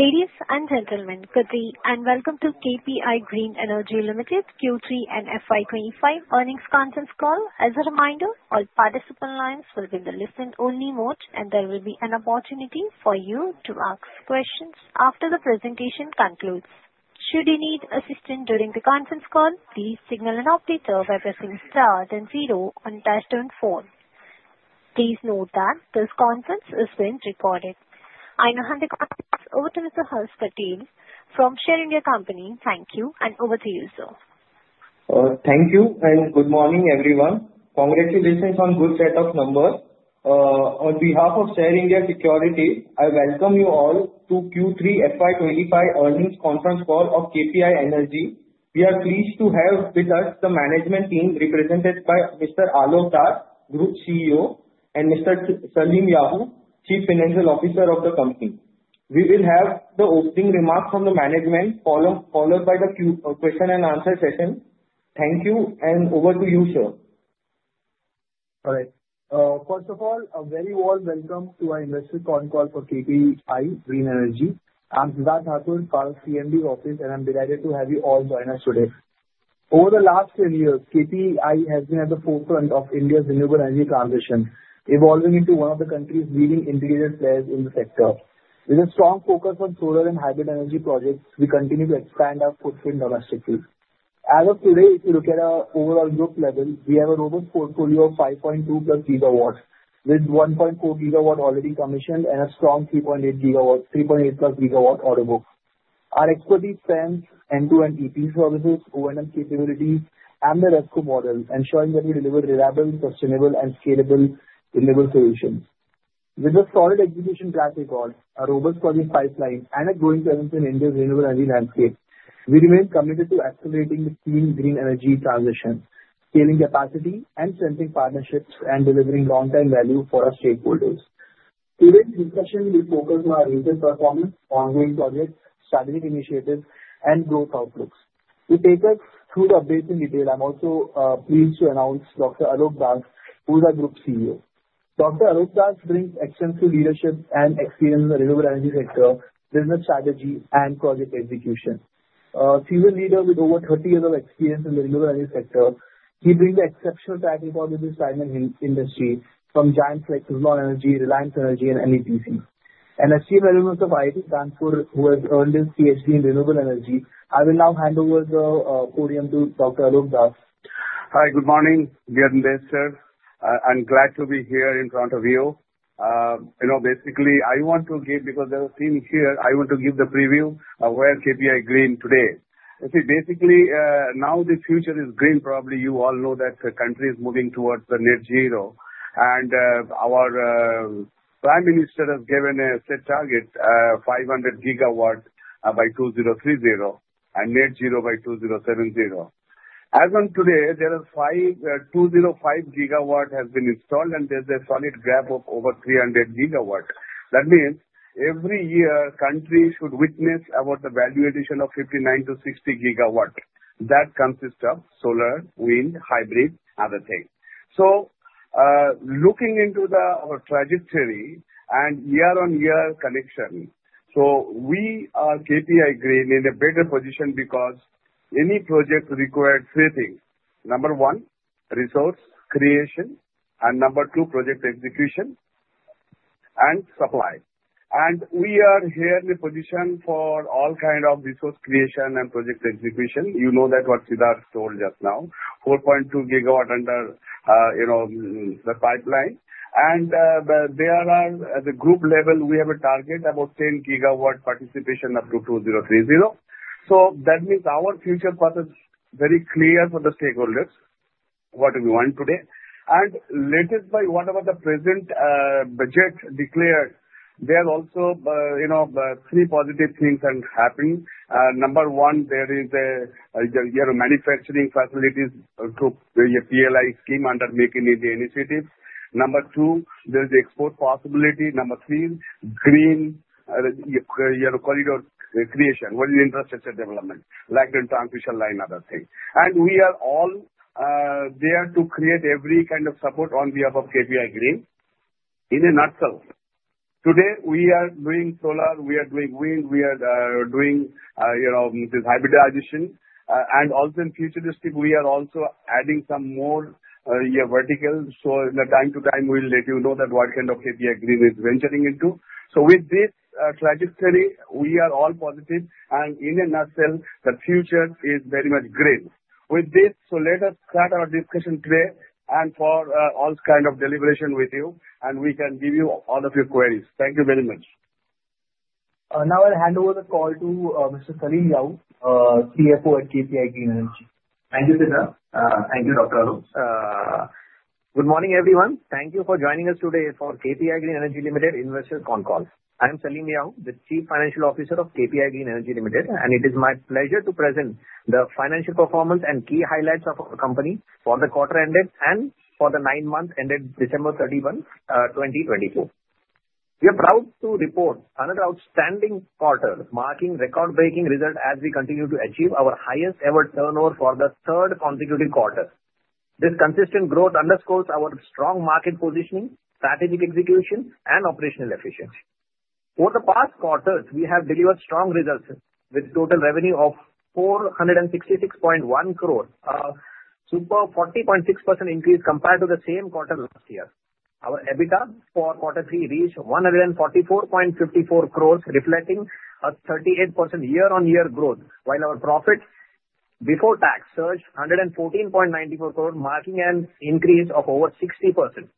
Ladies and gentlemen, good day, and welcome to KPI Green Energy Limited Q3 and FY 2025 earnings conference call. As a reminder, all participant lines will be in the listen-only mode, and there will be an opportunity for you to ask questions after the presentation concludes. Should you need assistance during the conference call, please signal an update by pressing star then zero on dashboard four. Please note that this conference is being recorded. I now hand the conference over to Mr. Harsh Patel from Share India Securities. Thank you, and over to you, sir. Thank you, and good morning, everyone. Congratulations on a good set of numbers. On behalf of Share India Securities, I welcome you all to Q3 FY 2025 earnings conference call of KPI Energy. We are pleased to have with us the management team represented by Mr. Alok Das, Group CEO, and Mr. Salim Yahoo, Chief Financial Officer of the company. We will have the opening remarks from the management, followed by the Q&A session. Thank you, and over to you, sir. All right. First of all, a very warm welcome to our investor con call for KPI Green Energy. I'm Siddharth Thakur, part of CMD office, and I'm delighted to have you all join us today. Over the last 10 years, KPI has been at the forefront of India's renewable energy transition, evolving into one of the country's leading integrated players in the sector. With a strong focus on solar and hybrid energy projects, we continue to expand our footprint domestically. As of today, if you look at our overall group level, we have an overall portfolio of 5.2+ GW, with 1.4 GW already commissioned and a strong 3.8 GW, 3.8+ GW order book. Our expertise spans end-to-end EPC services, O&M capabilities, and the RESCO model, ensuring that we deliver reliable, sustainable, and scalable renewable solutions. With a solid execution track record, a robust project pipeline, and a growing presence in India's renewable energy landscape, we remain committed to accelerating the clean green energy transition, scaling capacity, and strengthening partnerships and delivering long-term value for our stakeholders. Today's discussion will focus on our recent performance, ongoing projects, strategic initiatives, and growth outlooks. To take us through the updates in detail, I'm also pleased to announce Dr. Alok Das, who is our Group CEO. Dr. Alok Das brings extensive leadership and experience in the renewable energy sector, business strategy, and project execution. A senior leader with over 30 years of experience in the renewable energy sector, he brings exceptional track record in the renewable energy sector from giants like Suzlon Energy, Reliance Energy, and NEPC. As Chief Editor of IIT Dhanbad, who has earned his PhD in renewable energy, I will now hand over the podium to Dr. Alok Das. Hi, good morning, dear investor. I'm glad to be here in front of you. You know, basically, I want to give the preview of where KPI Green is today. You see, basically, now the future is green. Probably you all know that the country is moving towards the Net Zero, and our Prime Minister has given a set target, 500 GW by 2030 and Net Zero by 2070. As of today, there are 205 GW that have been installed, and there's a solar gap of over 300 GW. That means every year, the country should witness about the value addition of 59 GW-60 GW that consist of solar, wind, hybrid, and other things. So, looking into the trajectory and year-on-year connection, so we are KPI Green in a better position because any project requires three things: number one, resource creation, and number two, project execution and supply. And we are here in a position for all kinds of resource creation and project execution. You know what Siddharth told just now, 4.2 GW in the pipeline. And there are, at the group level, we have a target about 10 GW participation up to 2030. So that means our future path is very clear for the stakeholders, what we want today. And lastly, by whatever the present budget declared, there are also, you know, three positive things happening. Number one, there is a, you know, manufacturing facilities, the PLI scheme under Make in India Initiative. Number two, there's the export possibility. Number three, Green Corridor creation, what is infrastructure development, laying transmission line, and other things. We are all there to create every kind of support on behalf of KPI Green. In a nutshell, today we are doing solar, we are doing wind, we are doing, you know, this hybridization, and also in the future, we are also adding some more, you know, verticals. So from time to time, we'll let you know what kind of KPI Green is venturing into. So with this trajectory, we are all positive, and in a nutshell, the future is very much green. With this, let us start our discussion today and for all kinds of deliberation with you, and we can give you all of your queries. Thank you very much. Now I'll hand over the call to Mr. Salim Yahoo, CFO at KPI Green Energy. Thank you, Siddharth. Thank you, Dr. Alok. Good morning, everyone. Thank you for joining us today for KPI Green Energy Limited investor con call. I'm Salim Yahoo, the Chief Financial Officer of KPI Green Energy Limited, and it is my pleasure to present the financial performance and key highlights of our company for the quarter ended and for the nine months ended December 31, 2024. We are proud to report another outstanding quarter marking record-breaking results as we continue to achieve our highest-ever turnover for the third consecutive quarter. This consistent growth underscores our strong market positioning, strategic execution, and operational efficiency. Over the past quarters, we have delivered strong results with total revenue of 466.1 crores, a super 40.6% increase compared to the same quarter last year. Our EBITDA for quarter three reached 144.54 crores, reflecting a 38% year-on-year growth, while our profit before tax surged 114.94 crores, marking an increase of over 60%.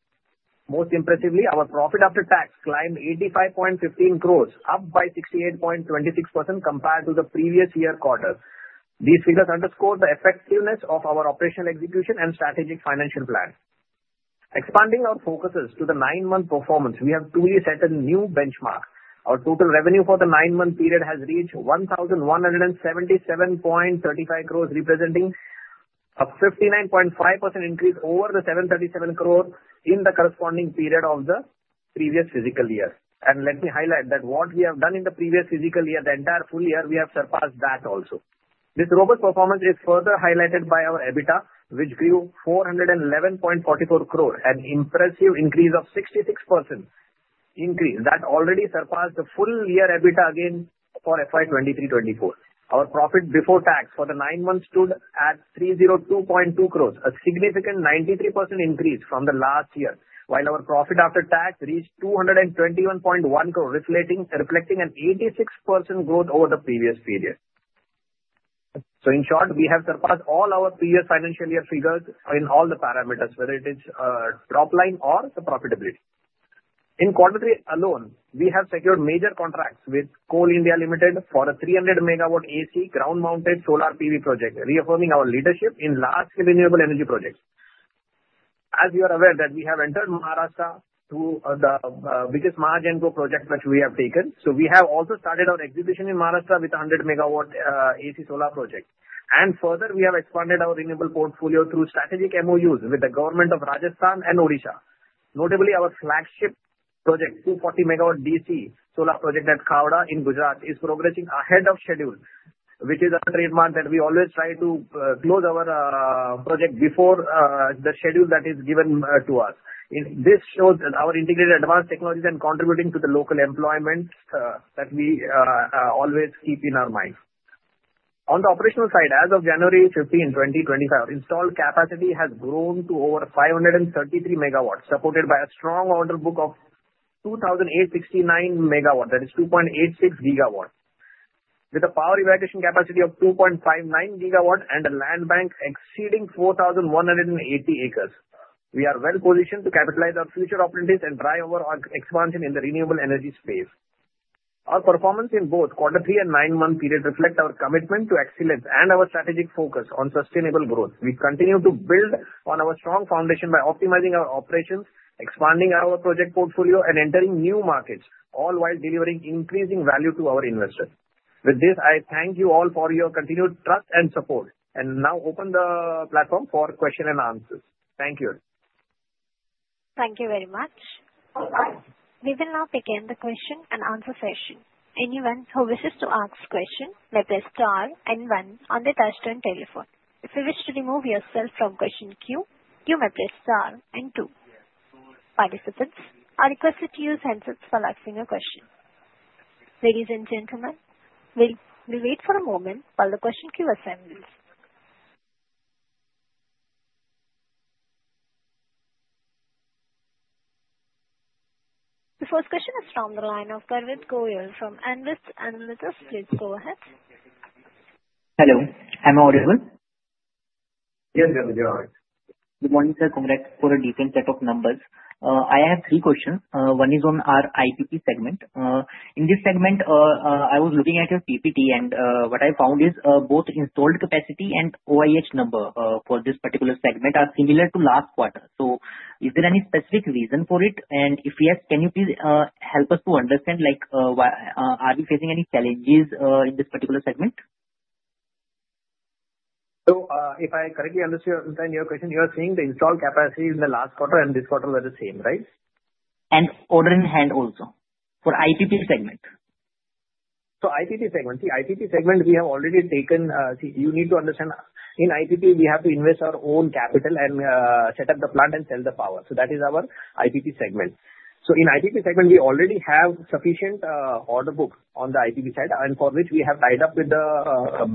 Most impressively, our profit after tax climbed 85.15 crores, up by 68.26% compared to the previous year quarter. These figures underscore the effectiveness of our operational execution and strategic financial plan. Expanding our focuses to the nine-month performance, we have truly set a new benchmark. Our total revenue for the nine-month period has reached 1,177.35 crores, representing a 59.5% increase over the 737 crores in the corresponding period of the previous fiscal year, and let me highlight that what we have done in the previous fiscal year, the entire full year, we have surpassed that also. This robust performance is further highlighted by our EBITDA, which grew 411.44 crores, an impressive increase of 66% that already surpassed the full-year EBITDA again for FY 2023-2024. Our profit before tax for the nine months stood at 302.2 crores, a significant 93% increase from the last year, while our profit after tax reached 221.1 crores, reflecting an 86% growth over the previous period. So in short, we have surpassed all our previous financial year figures in all the parameters, whether it is top line or the profitability. In quarter three alone, we have secured major contracts with Coal India Limited for a 300-MW AC ground-mounted solar PV project, reaffirming our leadership in large-scale renewable energy projects. As you are aware that we have entered Maharashtra through the biggest Mahagenco project which we have taken, so we have also started our execution in Maharashtra with a 100-MW AC solar project. And further, we have expanded our renewable portfolio through strategic MOUs with the Government of Rajasthan and Odisha. Notably, our flagship project, 240-MW DC solar project at Khavda in Gujarat, is progressing ahead of schedule, which is a trademark that we always try to close our project before the schedule that is given to us. This shows that our integrated advanced technologies are contributing to the local employment that we always keep in our minds. On the operational side, as of January 15, 2025, installed capacity has grown to over 533 MW, supported by a strong order book of 2,869 MW, that is 2.86 GW, with a power evacuation capacity of 2.59 GW and a land bank exceeding 4,180 acres. We are well-positioned to capitalize our future opportunities and drive our expansion in the renewable energy space. Our performance in both quarter three and nine-month period reflects our commitment to excellence and our strategic focus on sustainable growth. We continue to build on our strong foundation by optimizing our operations, expanding our project portfolio, and entering new markets, all while delivering increasing value to our investors. With this, I thank you all for your continued trust and support, and now open the platform for questions and answers. Thank you. Thank you very much. We will now begin the question and answer session. Anyone who wishes to ask a question may press star and one on the touchscreen telephone. If you wish to remove yourself from question queue, you may press star and two. Participants, I request that you use handsets while asking your question. Ladies and gentlemen, we'll wait for a moment while the question queue assembles. The first question is from the line of Garvit Goyal from Invasset LLP. Please go ahead. Hello. Am I audible? Yes, you're audible. Good morning, sir. Congrats for a decent set of numbers. I have three questions. One is on our IPP segment. In this segment, I was looking at your PPT, and what I found is both installed capacity and OIH number for this particular segment are similar to last quarter. So is there any specific reason for it? And if yes, can you please help us to understand, like, why are we facing any challenges in this particular segment? So, if I correctly understand your question, you are saying the installed capacity in the last quarter and this quarter were the same, right? Order in hand also for IPP segment. So IPP segment, we have already taken. You need to understand, in IPP, we have to invest our own capital and set up the plant and sell the power. So that is our IPP segment. So in IPP segment, we already have sufficient order book on the IPP side, and for which we have tied up with the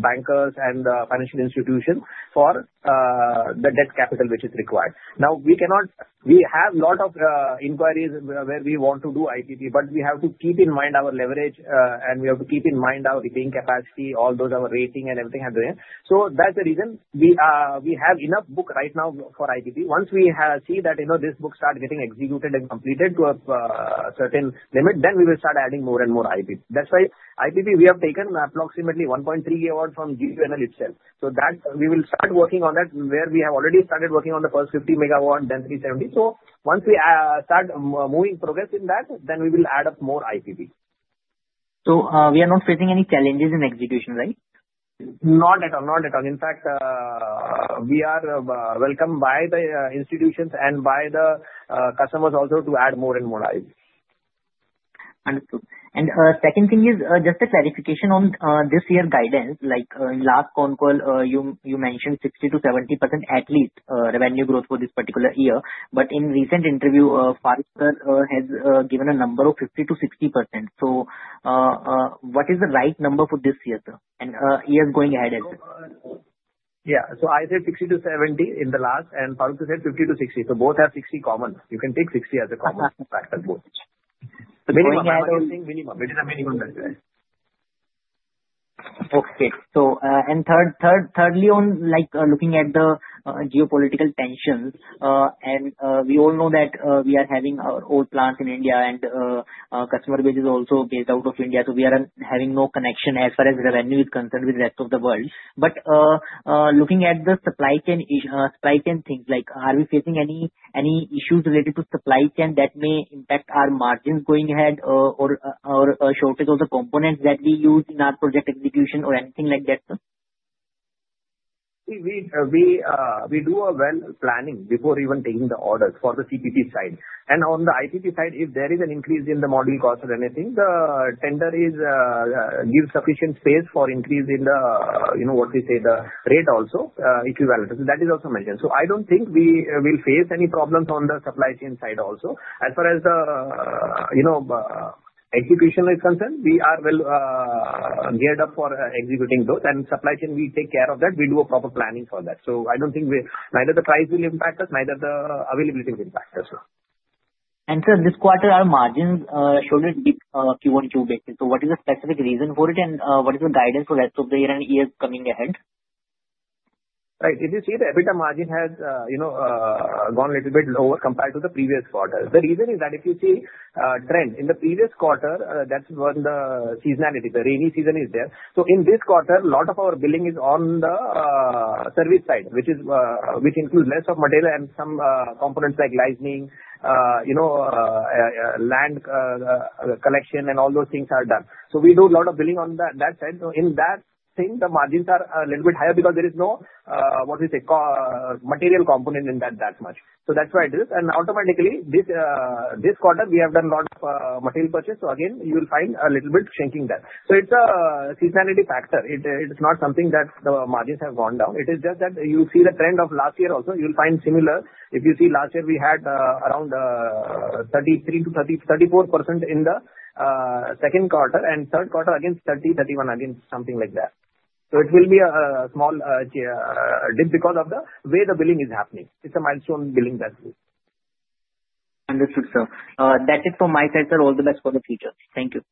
bankers and the financial institutions for the debt capital which is required. Now, we cannot. We have a lot of inquiries where we want to do IPP, but we have to keep in mind our leverage, and we have to keep in mind our repaying capacity, all those our rating and everything and then. So that's the reason we have enough book right now for IPP. Once we see that, you know, this book starts getting executed and completed to a certain limit, then we will start adding more and more IPP. That's why IPP, we have taken approximately 1.3 GW from GUVNL itself. So that we will start working on that, where we have already started working on the first 50 MW, then 370. So once we start moving progress in that, then we will add up more IPP. We are not facing any challenges in execution, right? Not at all, not at all. In fact, we are welcomed by the institutions and by the customers also to add more and more IPP. Understood. And second thing is just a clarification on this year's guidance. Like, in the last con call, you mentioned 60%-70% at least revenue growth for this particular year. But in recent interview, Faruk sir has given a number of 50%-60%. So, what is the right number for this year, sir? And years going ahead, I said. Yeah, so I said 60 to 70 in the last, and Faruk said 50 to 60, so both have 60 common. You can take 60 as a common factor both. Minimum guidance. Minimum. Okay. So, thirdly, on, like, looking at the geopolitical tensions, and we all know that we are having our own plants in India, and our customer base is also based out of India. So we are having no connection as far as revenue is concerned with the rest of the world. But looking at the supply chain things, like, are we facing any issues related to supply chain that may impact our margins going ahead, or a shortage of the components that we use in our project execution or anything like that, sir? We do a well planning before even taking the orders for the CPP side. And on the IPP side, if there is an increase in the module cost or anything, the tender gives sufficient space for increase in the, you know, what we say, the rate also, equivalent. So that is also mentioned. So I don't think we will face any problems on the supply chain side also. As far as the, you know, execution is concerned, we are well geared up for executing those. And supply chain, we take care of that. We do a proper planning for that. So I don't think we neither the price will impact us, neither the availability will impact us. Sir, this quarter our margins showed a dip, Q1, Q2 basis. What is the specific reason for it, and what is the guidance for the rest of the year and years coming ahead? Right. If you see the EBITDA margin has, you know, gone a little bit lower compared to the previous quarter. The reason is that if you see trend in the previous quarter, that's when the seasonality, the rainy season is there. So in this quarter, a lot of our billing is on the service side, which includes less of material and some components like lightning, you know, land collection, and all those things are done. So we do a lot of billing on that side. So in that thing, the margins are a little bit higher because there is no what we say co material component in that much. So that's why it is, and automatically this quarter we have done a lot of material purchase. So again, you'll find a little bit shrinking that. So it's a seasonality factor. It's not something that the margins have gone down. It is just that you see the trend of last year also. You'll find similar. If you see last year, we had around 33%-34% in the second quarter and third quarter against 30%-31% against something like that. So it will be a small dip because of the way the billing is happening. It's a milestone billing that we do. Understood, sir. That's it from my side, sir. All the best for the future. Thank you.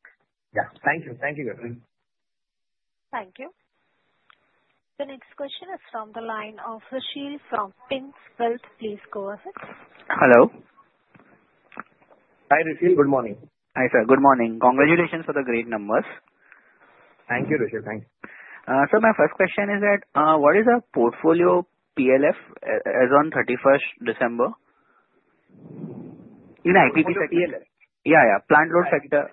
Yeah. Thank you. Thank you, Garvit. Thank you. The next question is from the line of Rachit from PINC Wealth. Please go ahead. Hello. Hi, Rachit. Good morning. Hi, sir. Good morning. Congratulations for the great numbers. Thank you, Rachit. Thanks. So my first question is that, what is a portfolio PLF as on 31st December? In IPP sector? Yeah, yeah. Plant load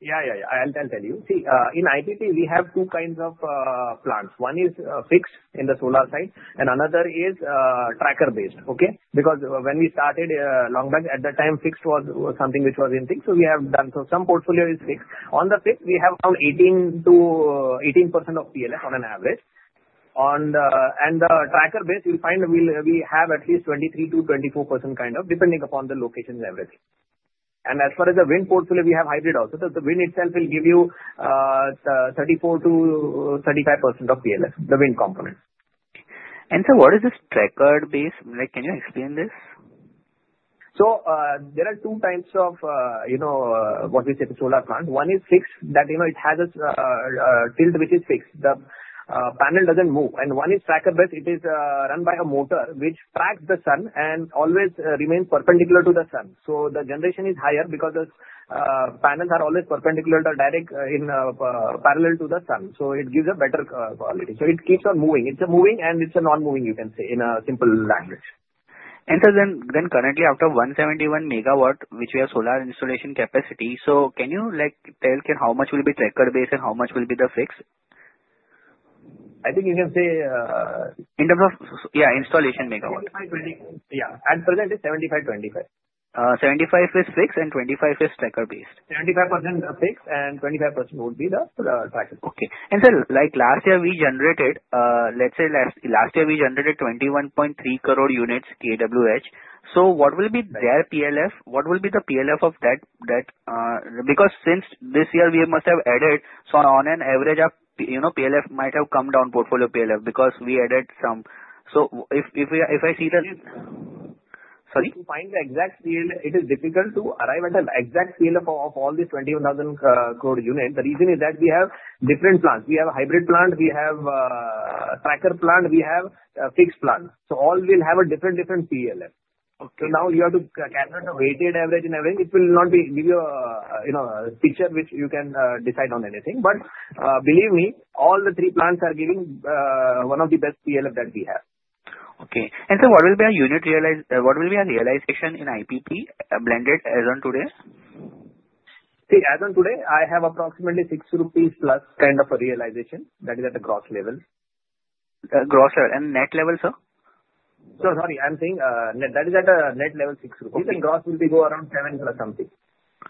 factor. Yeah. I'll tell you. See, in IPP, we have two kinds of plants. One is fixed in the solar side, and another is tracker-based. Okay? Because when we started long back at the time, fixed was something which was in fixed. So we have done. So some portfolio is fixed. On the fixed, we have around 18%-18% of PLF on an average. On the tracker-based, you'll find we have at least 23%-24% kind of, depending upon the location and everything. And as far as the wind portfolio, we have hybrid also. So the wind itself will give you 34%-35% of PLF, the wind component. Sir, what is this tracker-based? Like, can you explain this? So, there are two types of, you know, what we say the solar plant. One is fixed that, you know, it has a tilt which is fixed. The panel doesn't move. And one is tracker-based. It is run by a motor which tracks the sun and always remains perpendicular to the sun. So the generation is higher because the panels are always perpendicular or direct in parallel to the sun. So it gives a better quality. So it keeps on moving. It's a moving and it's a non-moving, you can say, in a simple language. Sir, then currently, out of 171 MW, which we have solar installation capacity, so can you, like, tell how much will be tracker-based and how much will be the fixed? I think you can say, In terms of... Yeah, installation megawatt. 75-25. Yeah. At present, it's 75-25. 75 is fixed and 25 is tracker-based. 75% fixed and 25% would be the tracker-based. Okay. And sir, like last year, we generated, let's say, 21.3 crore units kWh. So what will be their PLF? What will be the PLF of that, because since this year, we must have added, so on an average, you know, PLF might have come down, portfolio PLF, because we added some. So if I see the... Is. Sorry? To find the exact PLF, it is difficult to arrive at an exact PLF of all these 21,000 crore units. The reason is that we have different plants. We have a hybrid plant. We have a tracker plant. We have a fixed plant. So all will have a different, different PLF. So now you have to calculate a weighted average and everything. It will not give you a, you know, a picture which you can decide on anything. But believe me, all the three plants are giving one of the best PLF that we have. Okay. Sir, what will be our unit realization? What will be our realization in IPP, blended as on today? See, as on today, I have approximately 6+ rupees kind of a realization. That is at the gross level. Gross level. And net level, sir? So, sorry, I'm saying net, that is at a net level 6 rupees. You think gross will go around 7+ something.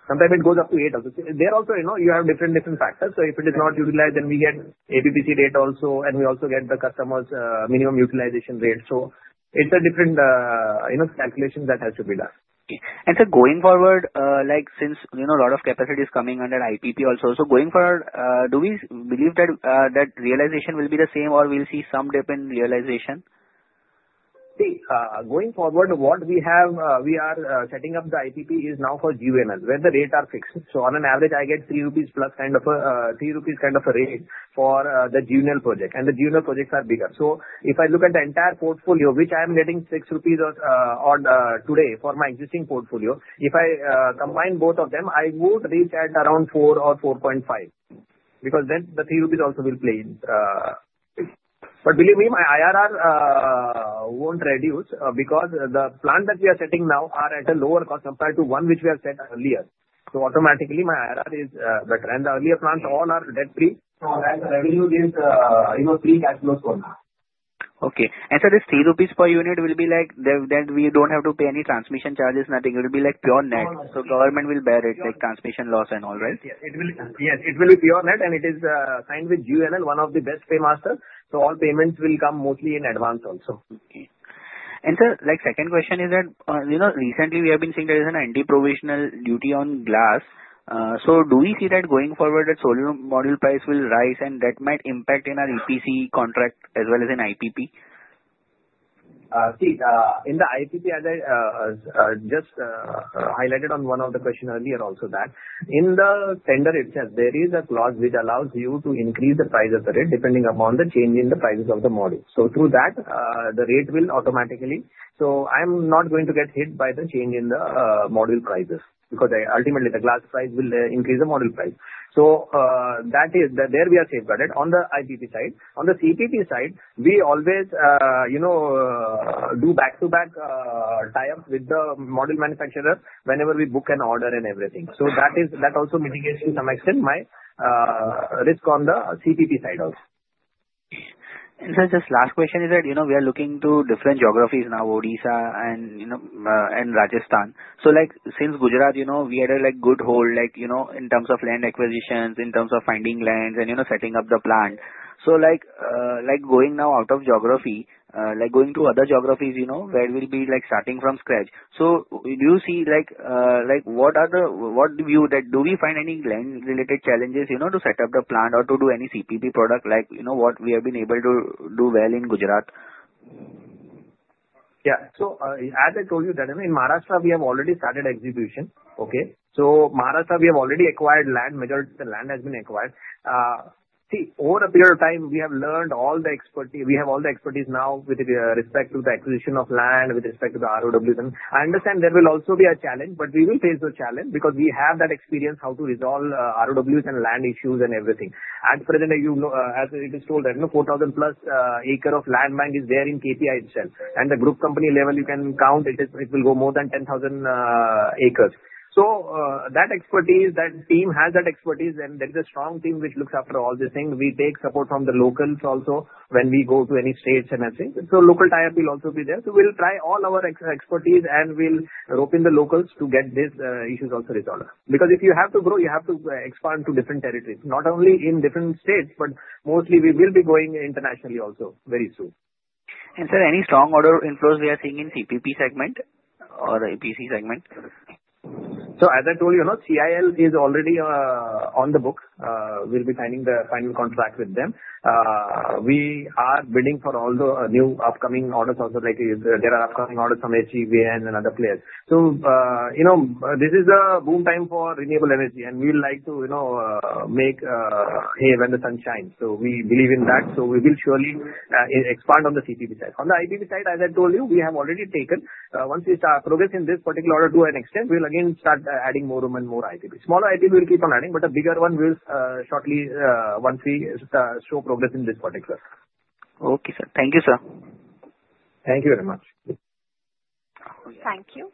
Sometimes it goes up to 8 also. There also, you know, you have different, different factors. So if it is not utilized, then we get APPC rate also, and we also get the customer's minimum utilization rate. So it's a different, you know, calculation that has to be done. Okay. And, sir, going forward, like, since, you know, a lot of capacity is coming under IPP also, so going forward, do we believe that, that realization will be the same or we'll see some dip in realization? See, going forward, what we have, we are setting up the IPP now for GUVNL, where the rates are fixed, so on an average, I get 3+ rupees kind of a, 3 rupees kind of a rate for the GUVNL project, and the GUVNL projects are bigger, so if I look at the entire portfolio, which I am getting 6 rupees or on today for my existing portfolio, if I combine both of them, I would reach at around 4 or 4.5. Because then the 3 rupees also will play fixed. But believe me, my IRR won't reduce, because the plant that we are setting now are at a lower cost compared to one which we have set earlier, so automatically, my IRR is better, and the earlier plants all are debt-free, so that revenue is, you know, free cash flows for now. Okay. Sir, this 3 rupees per unit will be like, then we don't have to pay any transmission charges, nothing. It will be like pure net. So government will bear it, like transmission loss and all, right? Yes. It will be pure net, and it is signed with GUVNL, one of the best paymasters. So all payments will come mostly in advance also. Okay. And sir, like, second question is that, you know, recently we have been seeing there is an anti-dumping provisional duty on glass. So do we see that going forward that solar module price will rise and that might impact in our EPC contract as well as in IPP? See, in the IPP, as I just highlighted on one of the questions earlier also that in the tender itself, there is a clause which allows you to increase the price of the rate depending upon the change in the prices of the module. So through that, the rate will automatically, so I'm not going to get hit by the change in the module prices. Because ultimately, the glass price will increase the module price. So, that is there we are safeguarded on the IPP side. On the CPP side, we always, you know, do back-to-back tie-ups with the module manufacturer whenever we book an order and everything. So that is, that also mitigates to some extent my risk on the CPP side also. And sir, just last question is that, you know, we are looking to different geographies now, Odisha and, you know, and Rajasthan. So like, since Gujarat, you know, we had a, like, good hold, like, you know, in terms of land acquisitions, in terms of finding lands, and, you know, setting up the plant. So like, like going now out of geography, like going to other geographies, you know, where we'll be like starting from scratch. So do you see, like, like what are the, what do you that do we find any land-related challenges, you know, to set up the plant or to do any CPP product, like, you know, what we have been able to do well in Gujarat? Yeah. So, as I told you that, I mean, in Maharashtra, we have already started execution. Okay? So Maharashtra, we have already acquired land, majority of the land has been acquired. See, over a period of time, we have learned all the expertise. We have all the expertise now with respect to the acquisition of land, with respect to the ROWs. And I understand there will also be a challenge, but we will face the challenge because we have that experience how to resolve ROWs and land issues and everything. At present, as you know, as it is told that, you know, 4,000+ acre of land bank is there in KPI itself. And the group company level, you can count it is, it will go more than 10,000 acres. So, that expertise, that team has that expertise, and there is a strong team which looks after all these things. We take support from the locals also when we go to any states and everything. So local tie-up will also be there. So we'll try all our expertise and we'll rope in the locals to get these issues also resolved. Because if you have to grow, you have to expand to different territories. Not only in different states, but mostly we will be going internationally also very soon. Sir, any strong order inflows we are seeing in CPP segment or EPC segment? So as I told you, you know, CIL is already on the book. We'll be signing the final contract with them. We are bidding for all the new upcoming orders also, like there are upcoming orders from SJVN and other players. So, you know, this is the boom time for renewable energy, and we'd like to, you know, make hay when the sun shines. So we believe in that. So we will surely expand on the CPP side. On the IPP side, as I told you, we have already taken. Once we start progress in this particular order to an extent, we'll again start adding more room and more IPP. Smaller IPP will keep on adding, but a bigger one will shortly, once we show progress in this particular. Okay, sir. Thank you, sir. Thank you very much. Thank you.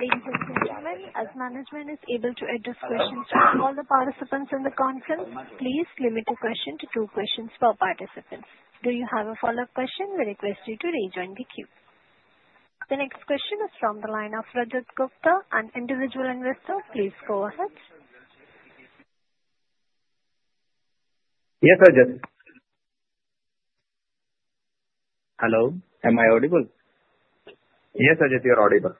Ladies and gentlemen, as management is able to address questions to all the participants in the conference, please limit your question to two questions per participant. Do you have a follow-up question? We request you to rejoin the queue. The next question is from the line of Rajat Gupta, an individual investor. Please go ahead. Yes, Rajat. Hello? Am I audible? Yes, Rajat, you're audible.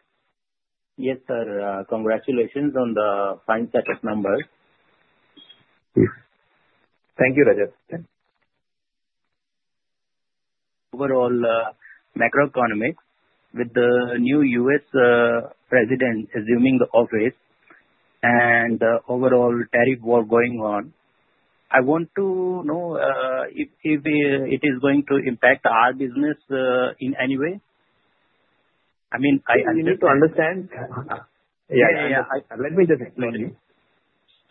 Yes, sir. Congratulations on the fine set of numbers. Thank you, Rajat. Overall, macroeconomics, with the new U.S. president assuming the office and the overall tariff war going on, I want to know, if, if it is going to impact our business, in any way? I mean, I understand. You need to understand. Let me just explain.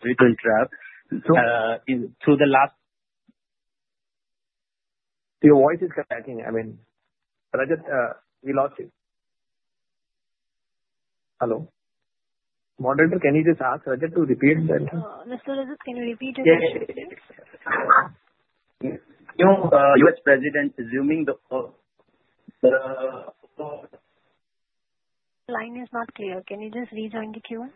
-through the last. Your voice is cracking. I mean, Rajat, we lost you. Hello? Moderator, can you just ask Rajat to repeat that? Mr. Rajat, can you repeat it? Yes, yes, yes. You know, U.S. president assuming the... Line is not clear. Can you just rejoin the queue?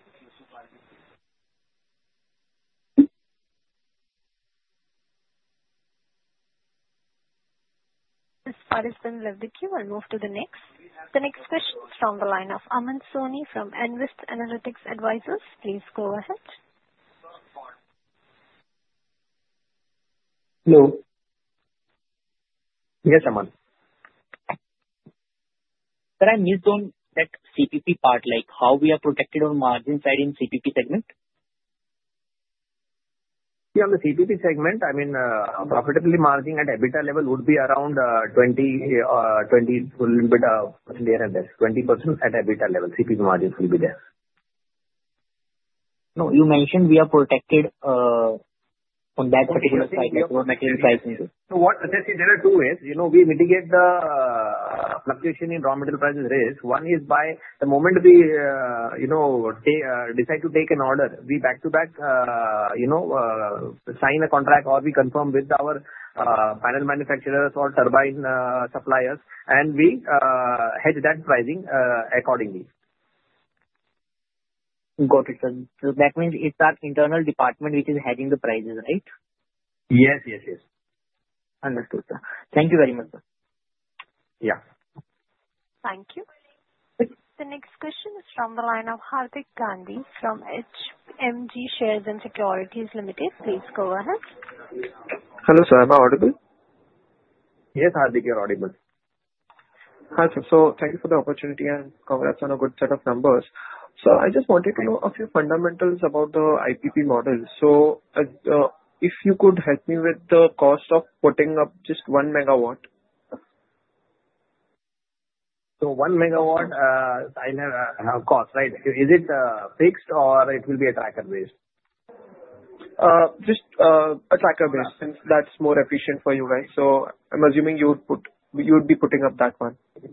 This participant left the queue and moved to the next. The next question is from the line of Aman Soni from Nvest Analytics Advisory. Please go ahead. Hello. Yes, Aman. Sir, I missed on that CPP part, like how we are protected on margin side in CPP segment? Yeah, on the CPP segment, I mean, profitability margin at EBITDA level would be around 20%, a little bit here and there. 20% at EBITDA level. CPP margins will be there. No, you mentioned we are protected, on that particular side for metal prices. So, what? Let's say there are two ways. You know, we mitigate the fluctuation in raw metal price rise. One is by the moment we, you know, decide to take an order, we back-to-back, you know, sign a contract or we confirm with our panel manufacturers or turbine suppliers, and we hedge that pricing accordingly. Got it, sir. So that means it's our internal department which is hedging the prices, right? Yes, yes, yes. Understood, sir. Thank you very much, sir. Yeah. Thank you. The next question is from the line of Hardik Gandhi from HPMG Shares and Securities Limited. Please go ahead. Hello, sir. Am I audible? Yes, Hardik, you're audible. Hi, sir. So thank you for the opportunity and congrats on a good set of numbers. So I just wanted to know a few fundamentals about the IPP model. So, if you could help me with the cost of putting up just 1 MW? So 1 MW, I have a cost, right? Is it fixed or it will be a tracker-based? Just a tracker-based since that's more efficient for you guys. So I'm assuming you would put, you would be putting up that one. Okay.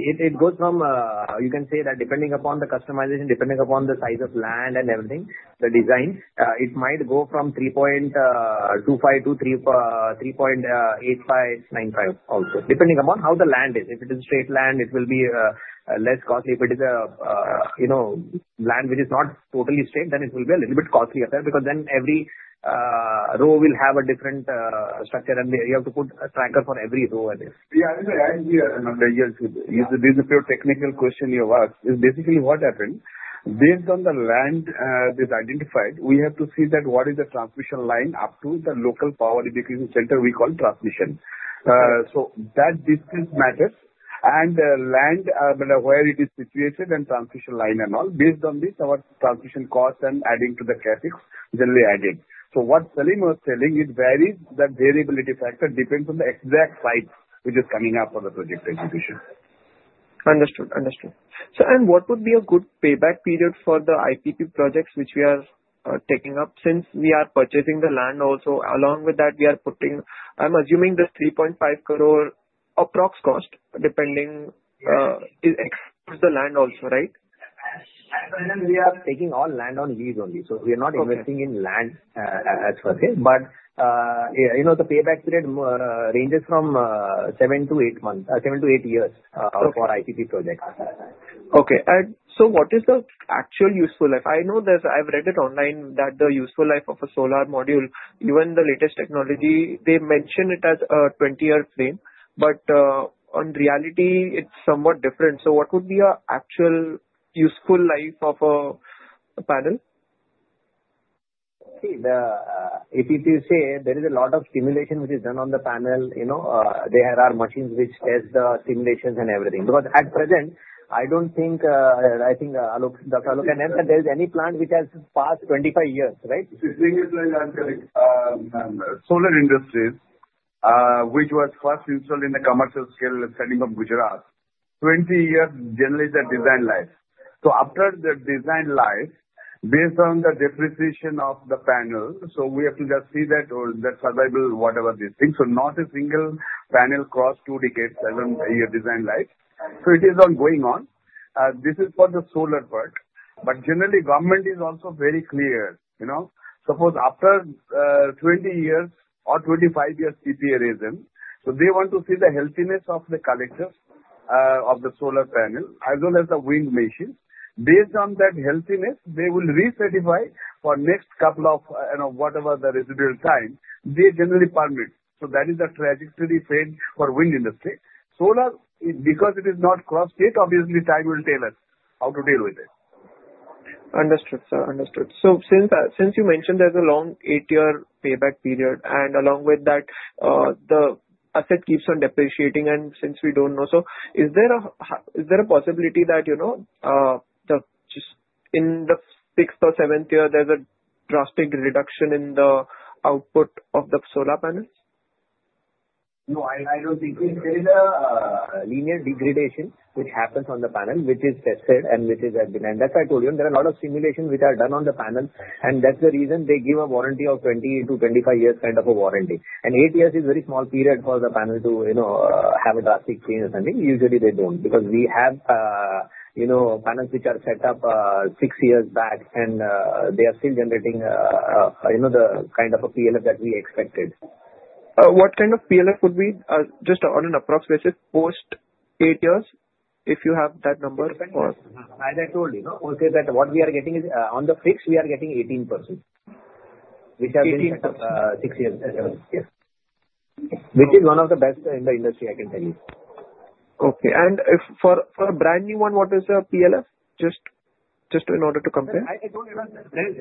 It goes from, you can say that depending upon the customization, depending upon the size of land and everything, the design, it might go from 3.25 to 3.85, 3.95 also. Depending upon how the land is. If it is straight land, it will be less costly. If it is, you know, land which is not totally straight, then it will be a little bit costly up there because then every row will have a different structure and you have to put a tracker for every row and this. Yeah, I'm here. I'm very helpful. It's a pure technical question you asked. It's basically what happened, based on the land that's identified. We have to see what is the transmission line up to the local power evacuation center we call transmission. So that distance matters and the land where it is situated and transmission line and all. Based on this, our transmission cost and adding to the tariffs will be added. So what Salim was telling, it varies. That variability factor depends on the exact site which is coming up for the project execution. Understood, understood. Sir, and what would be a good payback period for the IPP projects which we are taking up since we are purchasing the land also? Along with that, we are putting, I'm assuming, the 3.5 crore approx cost, depending, is excluded the land also, right? We are taking all land on lease only. So we are not investing in land, per se. But, you know, the payback period ranges from seven to eight months, seven to eight years, for IPP projects. Okay, and so what is the actual useful life? I know there's, I've read it online that the useful life of a solar module, even the latest technology, they mention it as a 20-year frame. But in reality, it's somewhat different, so what would be an actual useful life of a panel? See, the APPC says there is a lot of simulation which is done on the panel, you know. They have our machines which test the simulations and everything. Because at present, I don't think, Dr. Alok, there is any plant which has passed 25 years, right? It's a single-plane landscape, solar industries, which was first installed in the commercial scale setting of Gujarat. 20 years generally is the design life. So after the design life, based on the depreciation of the panel, so we have to just see that or that survival, whatever this thing. So not a single panel crossed two decades as in your design life. So it is ongoing on. This is for the solar part. But generally, government is also very clear, you know. Suppose after 20 years or 25 years PPA raise, so they want to see the healthiness of the collectors, of the solar panel as well as the wind machine. Based on that healthiness, they will recertify for next couple of, you know, whatever the residual time, they generally permit. So that is the trajectory fate for wind industry. Solar, because it is not crossed yet. Obviously, time will tell us how to deal with it. Understood, sir. Understood. So since you mentioned there's a long eight-year payback period and along with that, the asset keeps on depreciating and since we don't know, so is there a possibility that, you know, that just in the sixth or seventh year, there's a drastic reduction in the output of the solar panels? No, I, I don't think so. There is a linear degradation which happens on the panel which is tested and which is at the end. That's why I told you, there are a lot of simulations which are done on the panel and that's the reason they give a warranty of 20-25 years kind of a warranty, and eight years is a very small period for the panel to, you know, have a drastic change or something. Usually they don't because we have, you know, panels which are set up six years back and they are still generating, you know, the kind of a PLF that we expected. What kind of PLF would be, just on an approx basis post eight years if you have that number? As I told you, you know, okay, that what we are getting is, on the fixed, we are getting 18%. 18%. Which has been for six years. Yes. Which is one of the best in the industry, I can tell you. Okay. And if for a brand new one, what is the PLF? Just in order to compare. I told you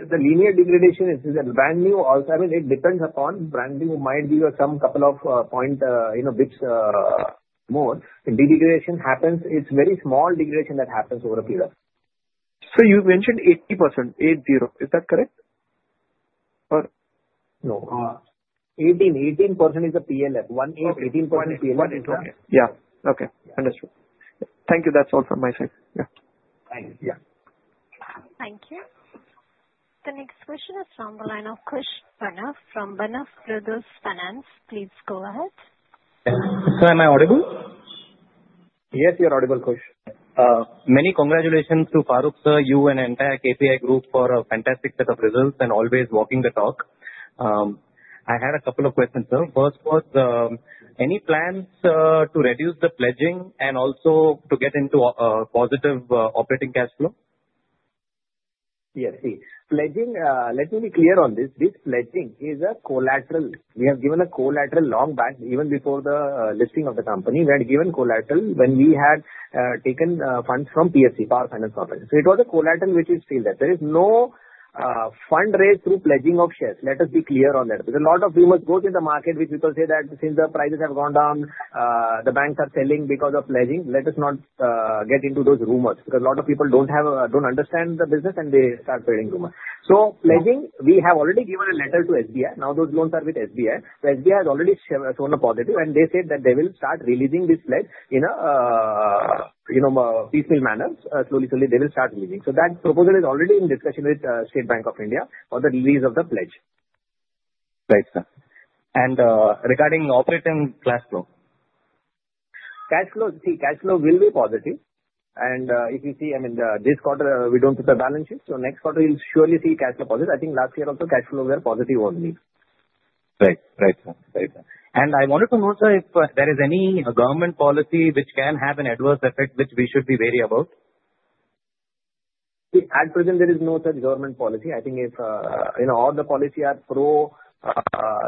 the linear degradation is a brand new also. I mean, it depends upon brand new might be some couple of points, you know, bits more. The degradation happens, it's very small degradation that happens over a period. So you mentioned 80%, eight zero. Is that correct? Or no? 18, 18% is the PLF. One eight, 18% PLF. One eight, one eight. Yeah. Okay. Understood. Thank you. That's all from my side. Yeah. Thank you. Thank you. The next question is from the line of Kush Banaf from Banaf Wealth Finance[uncerain]. Please go ahead. Sir, am I audible? Yes, you're audible, Kush. Many congratulations to Faruk, sir, you, and the entire KPI group for a fantastic set of results and always walking the talk. I had a couple of questions, sir. First was, any plans, to reduce the pledging and also to get into, positive, operating cash flow? Yes, see, pledging, let me be clear on this. This pledging is a collateral. We have given a collateral long back even before the listing of the company. We had given collateral when we had taken funds from PFC, Power Finance Corporation. So it was a collateral which is still there. There is no fund raised through pledging of shares. Let us be clear on that. There's a lot of rumors both in the market which people say that since the prices have gone down, the banks are selling because of pledging. Let us not get into those rumors because a lot of people don't have, don't understand the business and they start spreading rumors. So pledging, we have already given a letter to SBI. Now those loans are with SBI. So SBI has already shown a positive and they said that they will start releasing this pledge in a, you know, peaceful manner. Slowly, slowly they will start releasing. So that proposal is already in discussion with State Bank of India for the release of the pledge. Right, sir. Regarding operating cash flow? Cash flow, see, cash flow will be positive. And, if you see, I mean, this quarter, we don't see the balance sheet. So next quarter you'll surely see cash flow positive. I think last year also cash flow were positive only. Right, right, sir. Right, sir. And I wanted to know, sir, if there is any government policy which can have an adverse effect which we should be wary about? See, at present there is no such government policy. I think if, you know, all the policies are pro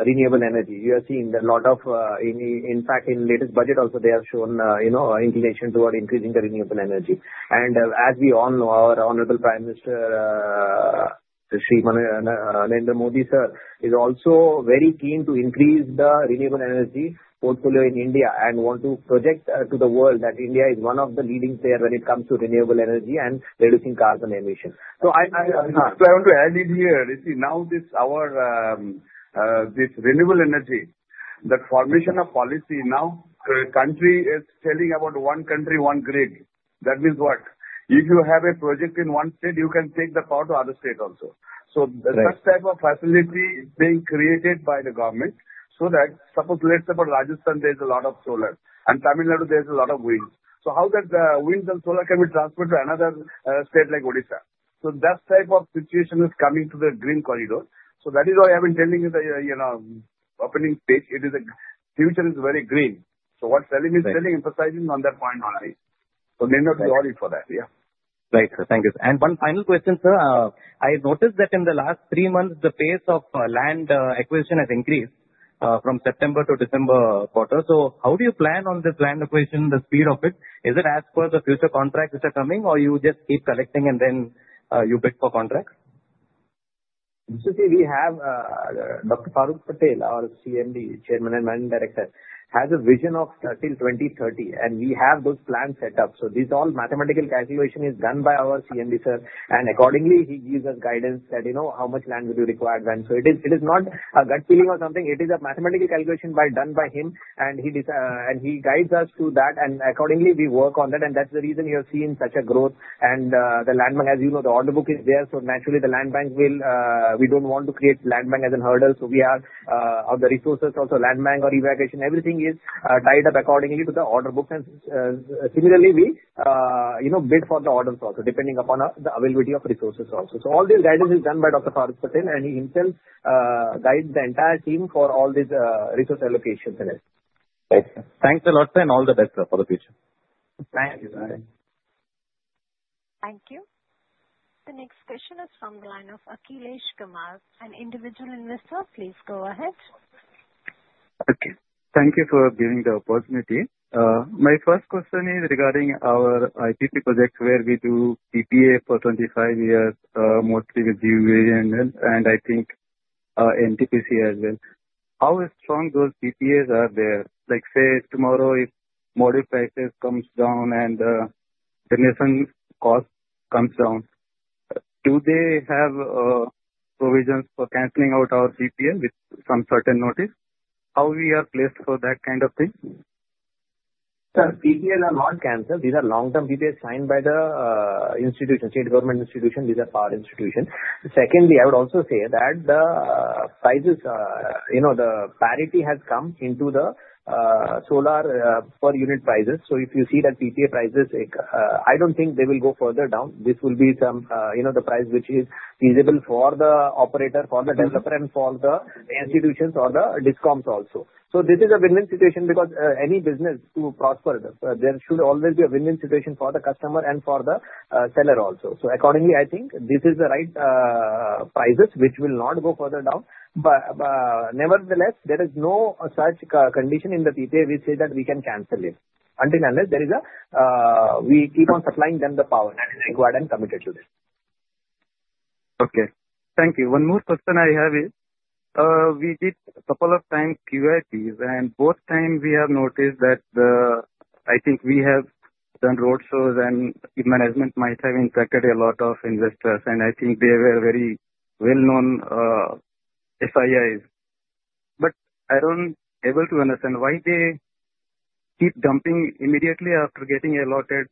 renewable energy. You have seen a lot of, in fact, in latest budget also they have shown, you know, inclination toward increasing the renewable energy. And, as we all know, our honorable Prime Minister, Shri Narendra Modi, sir, is also very keen to increase the renewable energy portfolio in India and want to project to the world that India is one of the leading players when it comes to renewable energy and reducing carbon emission. So I... So I want to add in here, you see, now this our, this renewable energy, the formation of policy, now the country is telling about one country, one grid. That means what? If you have a project in one state, you can take the power to other state also. So that type of facility is being created by the government so that suppose let's say for Rajasthan there's a lot of solar and Tamil Nadu there's a lot of wind. So how does the wind and solar can be transferred to another, state like Odisha? So that type of situation is coming to the green corridor. So that is why I've been telling you the, you know, opening speech, it is a future is very green. So what Salim is telling, emphasizing on that point only. So may not be audible for that. Yeah. Right, sir. Thank you. One final question, sir. I noticed that in the last three months the pace of land acquisition has increased from September to December quarter. How do you plan on this land acquisition, the speed of it? Is it as per the future contracts which are coming or you just keep collecting and then you bid for contracts? So see, we have Dr. Faruk Patel, our CMD, Chairman and Managing Director, has a vision of till 2030 and we have those plans set up. So this all mathematical calculation is done by our CMD, sir. And accordingly he gives us guidance that, you know, how much land will be required when. So it is, it is not a gut feeling or something. It is a mathematical calculation done by him and he decides, and he guides us through that. And accordingly we work on that and that's the reason you have seen such a growth. And the land bank, as you know, the order book is there. So naturally the land bank will, we don't want to create land bank as a hurdle. So we are, of the resources also land bank or evacuation, everything is tied up accordingly to the order books. Similarly, we, you know, bid for the orders also depending upon the availability of resources also. All this guidance is done by Dr. Faruk Patel and he himself guides the entire team for all this resource allocations. Right. Thanks a lot, sir, and all the best, sir, for the future. Thank you. Thank you. The next question is from the line of Akhilesh Kumar. Please go ahead. Okay. Thank you for giving the opportunity. My first question is regarding our IPP projects where we do PPA for 25 years, mostly with GUVNL and, and I think, NTPC as well. How strong those PPAs are they? Like say tomorrow if merchant prices come down and the generation cost comes down, do they have provisions for canceling out our PPA with some certain notice? How we are placed for that kind of thing? Sir, PPAs are not canceled. These are long-term PPAs signed by the institution, state government institution. These are power institutions. Secondly, I would also say that the prices, you know, the parity has come into the solar per unit prices. So if you see that PPA prices, I don't think they will go further down. This will be some, you know, the price which is feasible for the operator, for the developer and for the institutions or the discoms also. So this is a win-win situation because any business to prosper, there should always be a win-win situation for the customer and for the seller also. So accordingly I think this is the right prices which will not go further down. But nevertheless, there is no such condition in the PPA which says that we can cancel it. Until and unless there is a, we keep on supplying them the power and required and committed to this. Okay. Thank you. One more question I have is, we did a couple of times QIPs and both times we have noticed that the, I think we have done road shows and management might have impacted a lot of investors and I think they were very well-known, FIIs. But I don't able to understand why they keep dumping immediately after getting allotted.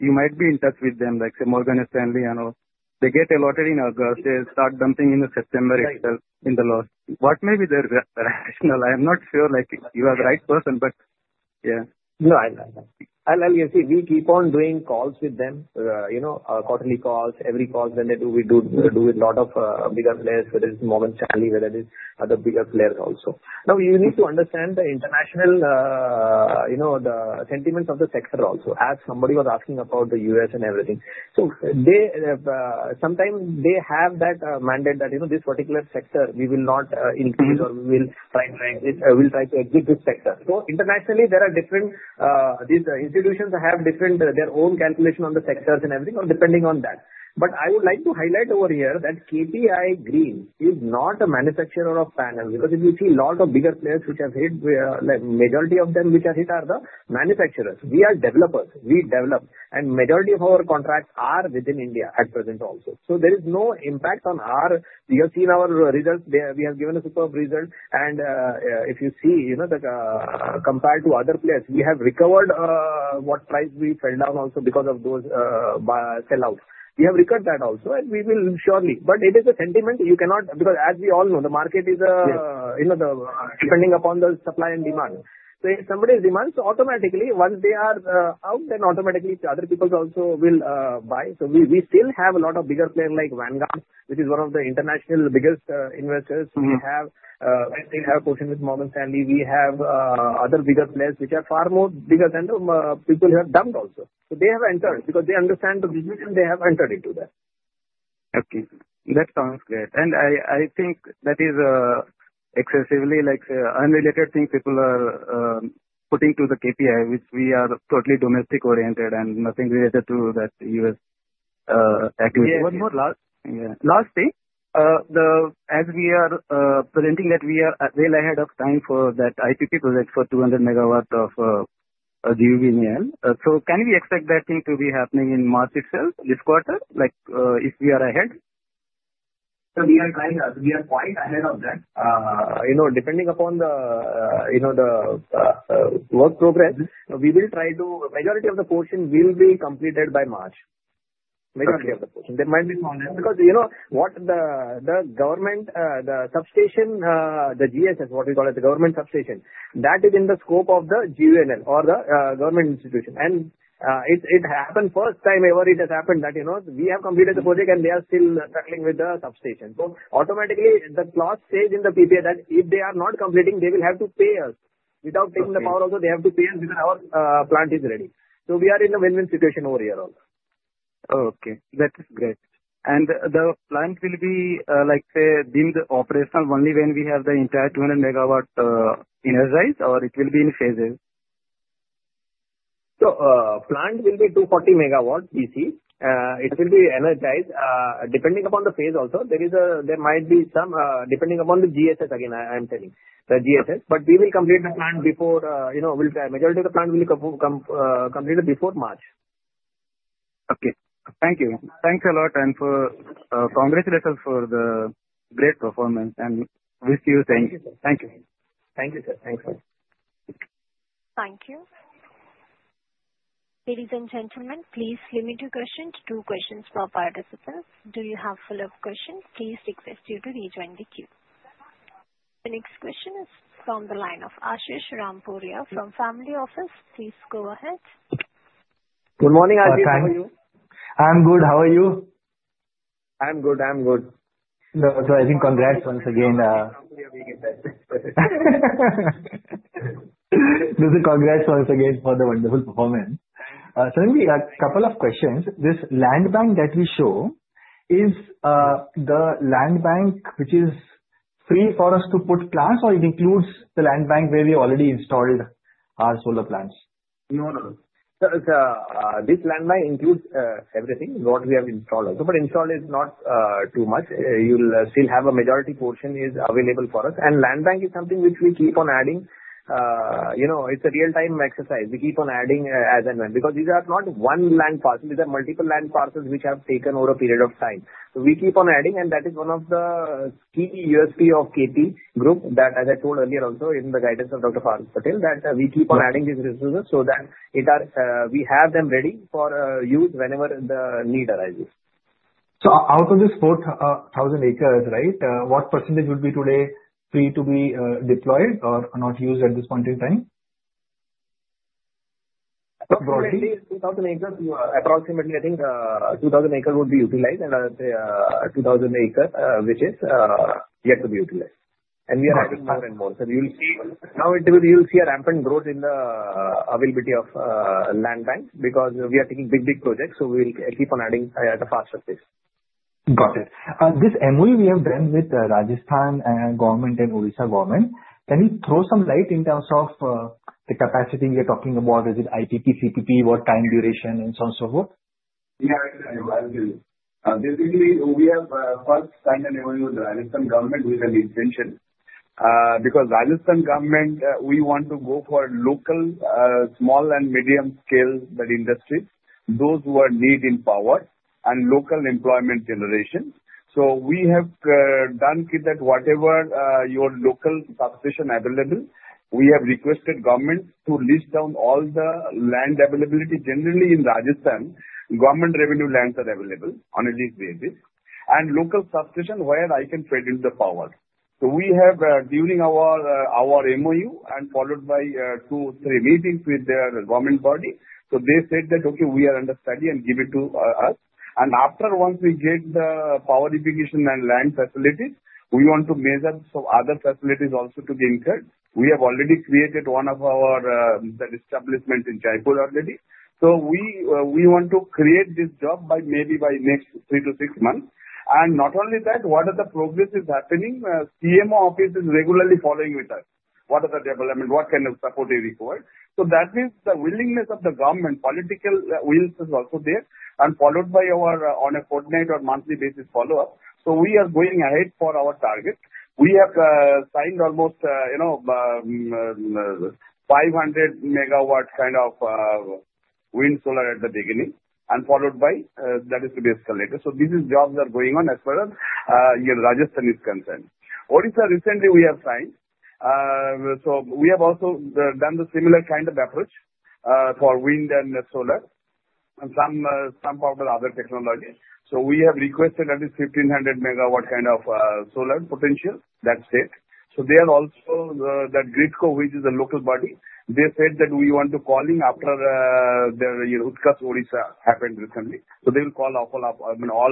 You might be in touch with them, like say Morgan Stanley and all. They get allotted in August, they start dumping in September itself in the last. What may be the rationale? I am not sure like you are the right person, but yeah. No, I, I'll tell you, see, we keep on doing calls with them, you know, quarterly calls, every call when they do, we do with a lot of bigger players whether it's Morgan Stanley whether it is other bigger players also. Now you need to understand the international, you know, the sentiments of the sector also. As somebody was asking about the U.S. and everything. So they, sometimes they have that mandate that, you know, this particular sector we will not increase or we will try to exit, we'll try to exit this sector. So internationally there are different, these institutions have different their own calculation on the sectors and everything or depending on that. But I would like to highlight over here that KPI Green is not a manufacturer of panels because if you see a lot of bigger players which have hit, like majority of them which are hit are the manufacturers. We are developers. We develop and majority of our contracts are within India at present also. So there is no impact on our, we have seen our results. We have given a superb result and, if you see, you know, the, compared to other players, we have recovered, what price we fell down also because of those, by sellouts. We have recovered that also and we will surely. But it is a sentiment you cannot because as we all know the market is, you know, depending upon the supply and demand. So if somebody demands automatically once they are, out then automatically other people also will, buy. So we still have a lot of bigger players like Vanguard which is one of the international biggest investors. We have. I still have a question with Morgan Stanley. We have other bigger players which are far more bigger than the people who have dumped also. So they have entered because they understand the decision and they have entered into that. Okay. That sounds great. I think that is excessively like unrelated thing people are putting to the KPI, which we are totally domestic oriented and nothing related to that U.S. activity. One more last Yeah. Last thing, as we are presenting that we are well ahead of time for that IPP project for 200 MW of GUVNL. So can we expect that thing to be happening in March itself this quarter? Like, if we are ahead? So we are quite ahead of that, you know, depending upon the, you know, the work progress. We will try to majority of the portion will be completed by March. Majority of the portion. There might be some because, you know, what the, the government, the substation, the GSS what we call it the government substation, that is in the scope of the GUVNL or the government institution. And it happened first time ever it has happened that, you know, we have completed the project and they are still struggling with the substation. So automatically the clause says in the PPA that if they are not completing, they will have to pay us without taking the power also. They have to pay us because our plant is ready. So we are in a win-win situation over here also. Oh, okay. That is great. And the plant will be, like say, deemed operational only when we have the entire 200 MW energized, or it will be in phases? The plant will be 240 MW AC. It will be energized, depending upon the phase also. There might be some, depending upon the GSS again, I am telling, the GSS. But we will complete the plant before, you know, we'll try. Majority of the plant will come completed before March. Okay. Thank you. Thanks a lot, congratulations for the great performance, and wish you thank you. Thank you, sir. Thank you. Thank you, sir. Thanks, sir. Thank you. Ladies and gentlemen, please limit your questions to two questions per participant. Do you have follow-up questions? Please request you to rejoin the queue. The next question is from the line of Ashish Rampuria from family office. Please go ahead. Good morning, Ashish. Hw are you? I'm good. How are you? I'm good. I'm good. No, so I think congrats once again. Congrats once again for the wonderful performance. Let me ask a couple of questions. This land bank that we show is the land bank which is free for us to put plants or it includes the land bank where we already installed our solar plants? No, no, no. So, so, this land bank includes everything what we have installed also. But installed is not too much. You'll still have a majority portion is available for us. And land bank is something which we keep on adding. You know, it's a real-time exercise. We keep on adding as and when because these are not one land parcel. These are multiple land parcels which have taken over a period of time. So we keep on adding and that is one of the key USP of KP Group that, as I told earlier also in the guidance of Dr. Faruk Patel, that we keep on adding these resources so that it are we have them ready for use whenever the need arises. So out of this 4,000 acres, right, what percentage would be today free to be deployed or not used at this point in time? So basically 2,000 acres you are approximately. I think 2,000 acres would be utilized and 2,000 acres which is yet to be utilized. And we are adding more and more. So you'll see a rampant growth in the availability of land banks because we are taking big, big projects. So we'll keep on adding at a faster pace. Got it. This MOU we have done with Rajasthan government and Odisha government, can you throw some light in terms of the capacity we are talking about? Is it IPP, CPP, what time duration and so on and so forth? Yeah, I will. Basically we have first signed an MOU with Rajasthan government with an intention, because Rajasthan government, we want to go for local, small and medium scale that industry, those who need power and local employment generation. So we have done that whatever the local subsidy available, we have requested government to list down all the land availability. Generally in Rajasthan, government revenue lands are available on a lease basis and local subsidy where I can fit in the power. So we have during our MOU and followed by two, three meetings with the government body. So they said that, okay, we are under study and give it to us. And once we get the power evacuation and land facilities, we want to ensure some other facilities also to be inserted. We have already created one of our establishments in Jaipur already. We want to create this job by maybe next three to six months. And not only that, what are the progresses happening? CMD office is regularly following with us. What are the development? What kind of support is required? So that means the willingness of the government, political will is also there and followed by our on a fortnightly or monthly basis follow-up. We are going ahead for our target. We have signed almost, you know, 500 MW kind of wind solar at the beginning and followed by that is to be escalated. So these are jobs that are going on as far as Rajasthan is concerned. Odisha recently we have signed, so we have also done the similar kind of approach for wind and solar and some power other technology. So we have requested at least 1,500 MW kind of solar potential. That's it. So they are also that GRIDCO, which is a local body. They said that we want to call in after their Utkarsh Odisha happened recently. So they will call upon, I mean all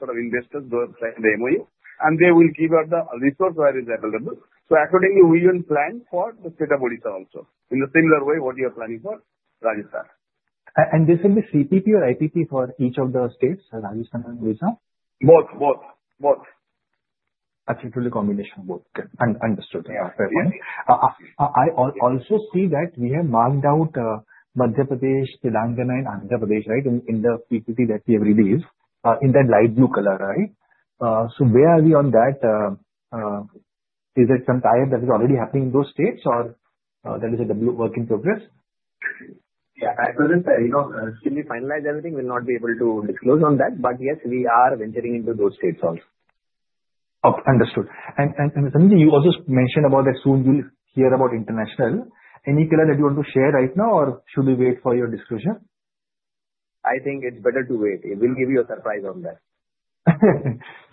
sort of investors to sign the MOU and they will give us the resource where it is available. So accordingly we will plan for the state of Odisha also in the similar way what you are planning for Rajasthan. This will be CPP or IPP for each of the states, Rajasthan and Odisha? Both. That's a true combination of both. Okay. Understood. Yeah. I also see that we have marked out Madhya Pradesh, Telangana and Andhra Pradesh, right, in the PPP that we every day use, in that light blue color, right? So where are we on that? Is it something that is already happening in those states or that is a work in progress? Yeah. At present, you know, still we finalize everything. We'll not be able to disclose on that. But yes, we are venturing into those states also. Oh, understood. And something you also mentioned about that soon you'll hear about international. Any pillar that you want to share right now or should we wait for your disclosure? I think it's better to wait. It will give you a surprise on that.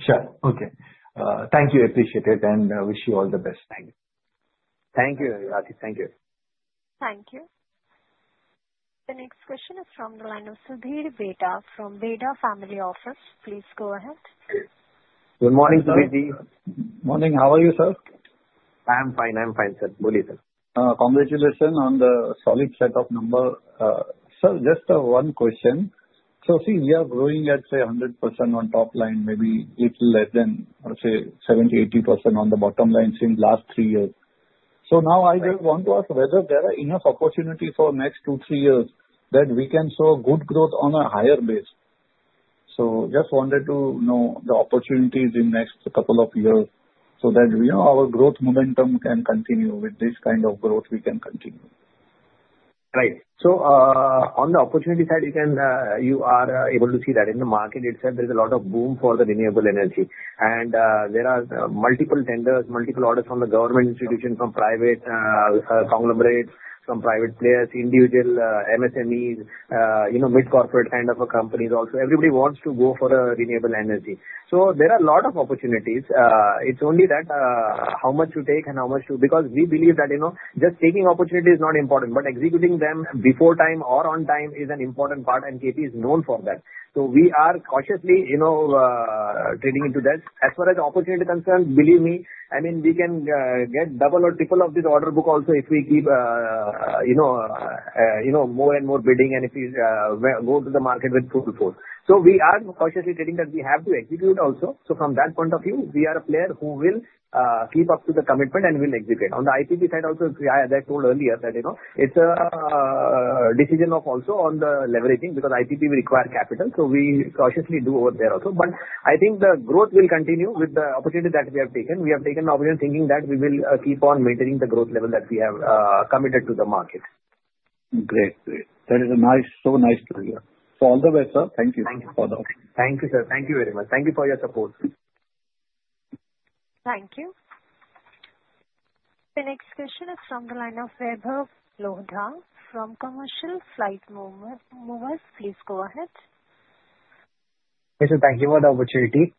Sure. Okay. Thank you. Appreciate it and wish you all the best. Thank you. Thank you, Ashish. Thank you. Thank you. The next question is from the line of Sudhir Bheda from Bheda Family Office. Please go ahead. Good morning, Subhirji. Morning. How are you, sir? I'm fine. I'm fine, sir. Good evening. Congratulations on the solid set of numbers. Sir, just one question. So see, we are growing at, say, 100% on top line, maybe a little less than, I would say, 70%-80% on the bottom line since last three years. So now I just want to ask whether there are enough opportunities for next two, three years that we can show good growth on a higher base. So just wanted to know the opportunities in next couple of years so that, you know, our growth momentum can continue with this kind of growth we can continue. Right. So, on the opportunity side, you can, you are able to see that in the market itself there is a lot of boom for the renewable energy. And, there are multiple tenders, multiple orders from the government institution, from private, conglomerates, from private players, individual, MSMEs, you know, mid-corporate kind of companies also. Everybody wants to go for renewable energy. So there are a lot of opportunities. It's only that, how much to take and how much to because we believe that, you know, just taking opportunity is not important, but executing them before time or on time is an important part. And KP is known for that. So we are cautiously, you know, treading into that. As far as opportunity concerns, believe me, I mean we can get double or triple of this order book also if we keep you know, you know, more and more bidding and if we go to the market with full force. So we are cautiously treading that we have to execute also. So from that point of view, we are a player who will keep up to the commitment and will execute. On the IPP side also, I told earlier that you know, it's a decision of also on the leveraging because IPP will require capital. So we cautiously do over there also. But I think the growth will continue with the opportunity that we have taken. We have taken the opportunity thinking that we will keep on maintaining the growth level that we have committed to the market. Great. Great. That is a nice, so nice to hear. So all the best, sir. Thank you for the opportunity. Thank you, sir. Thank you very much. Thank you for your support. Thank you. The next question is from the line of Vaibhav Lodha from commercial flight movers. Please go ahead. Okay. So thank you for the opportunity.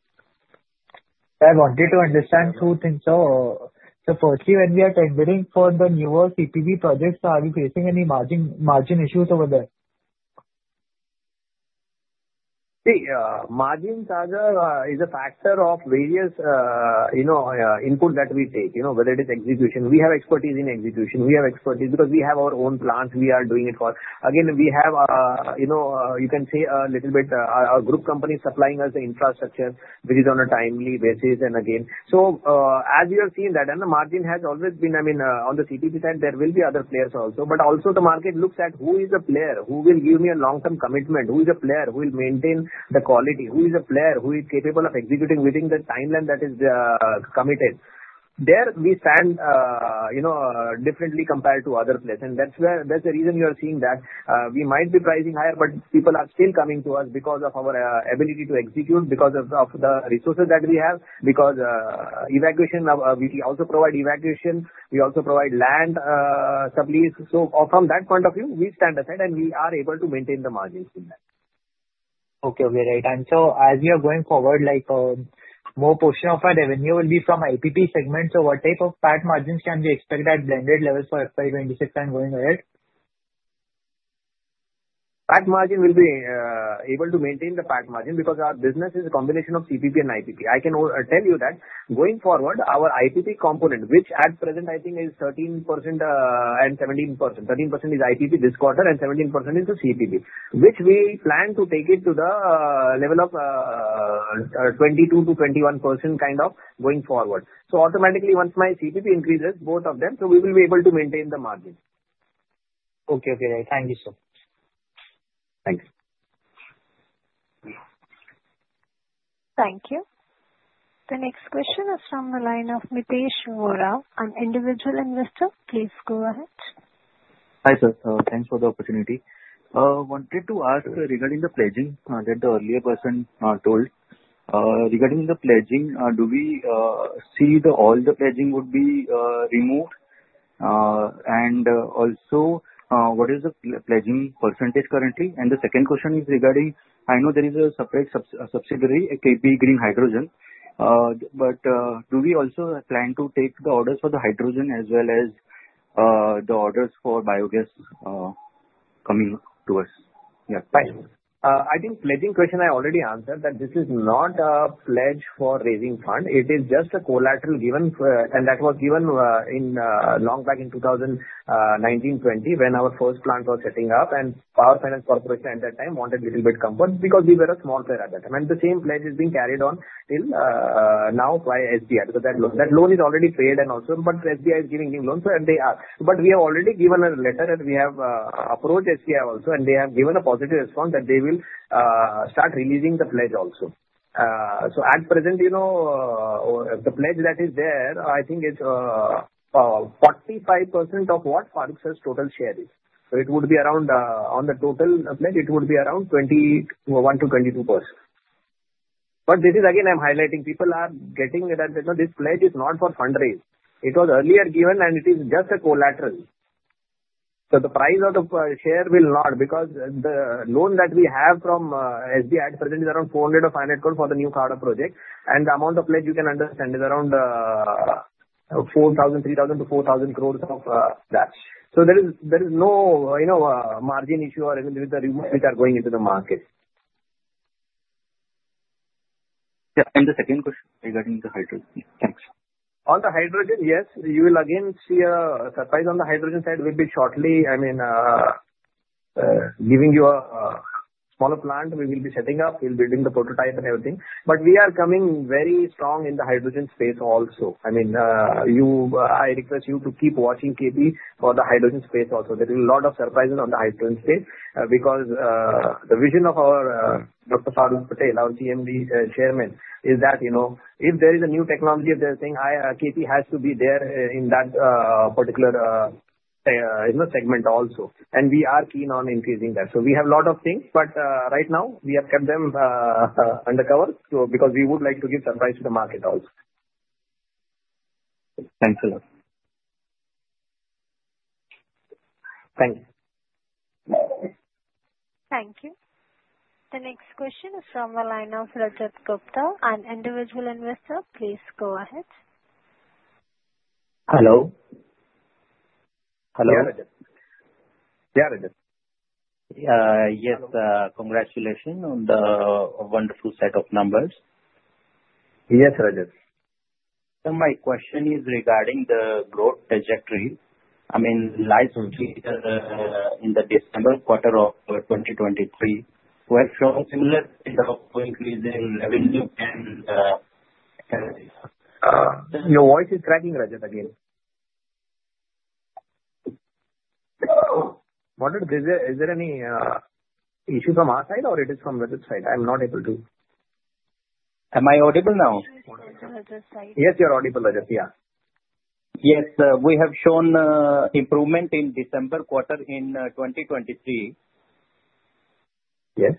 I wanted to understand two things. So, so firstly, when we are tendering for the newer CPP projects, are we facing any margin, margin issues over there? See, margin is a factor of various, you know, input that we take, you know, whether it is execution. We have expertise in execution. We have expertise because we have our own plants. We are doing it for, again, we have, you know, you can say a little bit, our group company supplying us the infrastructure which is on a timely basis. And again, so, as you have seen that, and the margin has always been, I mean, on the CPP side, there will be other players also. But also the market looks at who is the player who will give me a long-term commitment, who is a player who will maintain the quality, who is a player who is capable of executing within the timeline that is committed. There we stand, you know, differently compared to other players. And that's where, that's the reason you are seeing that we might be pricing higher, but people are still coming to us because of our ability to execute, because of the resources that we have, because evacuation, we also provide evacuation. We also provide land sublease. So from that point of view, we stand aside and we are able to maintain the margins in that. Okay. Great. And so as we are going forward, like, more portion of our revenue will be from IPP segment. What type of PAT margins can we expect at blended levels for FY 26 and going ahead? PAT margin will be able to maintain the PAT margin because our business is a combination of CPP and IPP. I can tell you that going forward, our IPP component, which at present I think is 13%, and 17%. 13% is IPP this quarter and 17% is the CPP, which we plan to take it to the level of 22%-21% kind of going forward. So automatically once my CPP increases, both of them, so we will be able to maintain the margin. Okay. Okay. Great. Thank you, sir. Thanks. Thank you. The next question is from the line of Mitesh Vora. I'm an individual investor. Please go ahead. Hi, sir. So thanks for the opportunity. I wanted to ask regarding the pledging that the earlier person told regarding the pledging. Do we see that all the pledging would be removed? And also, what is the pledging percentage currently? And the second question is regarding. I know there is a separate subsidiary, KP Green Hydrogen, but do we also plan to take the orders for the hydrogen as well as the orders for biogas coming to us? Yeah. Fine. I think pledging question I already answered that this is not a pledge for raising fund. It is just a collateral given, and that was given in long back in 2019, 2020 when our first plant was setting up and Power Finance Corporation at that time wanted a little bit comfort because we were a small player at that time. And the same pledge is being carried on till now by SBI because that loan is already paid and also, but SBI is giving new loans and they are but we have already given a letter and we have approached SBI also and they have given a positive response that they will start releasing the pledge also. So at present, you know, the pledge that is there, I think it's 45% of what Faruk's total share is. So it would be around, on the total pledge, it would be around 21%-22%. But this is again, I'm highlighting people are getting that, you know, this pledge is not for fundraise. It was earlier given and it is just a collateral. So the price of the share wi20ll not because the loan that we have from SBI at present is around 400 crores for the new solar project. And the amount of pledge you can understand is around 3,000 crores-4,000 crores of that. So there is no, you know, margin issue or anything with the promoters which are going into the market. Yeah, and the second question regarding the hydrogen. Thanks. On the hydrogen, yes, you will again see a surprise on the hydrogen side. We'll be shortly, I mean, giving you a smaller plant we will be setting up. We'll be building the prototype and everything. But we are coming very strong in the hydrogen space also. I mean, you, I request you to keep watching KP for the hydrogen space also. There is a lot of surprises on the hydrogen space because the vision of our Dr. Faruk Patel, our CMD chairman, is that, you know, if there is a new technology, if there is a thing, I, KP has to be there in that particular, you know, segment also, and we are keen on increasing that. So we have a lot of things, but right now we have kept them undercover because we would like to give surprise to the market also. Thanks a lot. Thank you. Thank you. The next question is from the line of Rajat Gupta. I'm an individual investor. Please go ahead. Hello. Hello. Yeah, Rajat. Yeah, Rajat. Yes, congratulations on the wonderful set of numbers. Yes, Rajat. So my question is regarding the growth trajectory. I mean, last week, in the December quarter of 2023, we have shown similar set of increase in revenue and. Your voice is cracking, Rajat, again. What is, is there any issue from our side or it is from Rajat's side? I'm not able to. Am I audible now? Rajat, Rajat's side. Yes, you're audible, Rajat. Yeah. Yes. We have shown improvement in December quarter in 2023. Yes.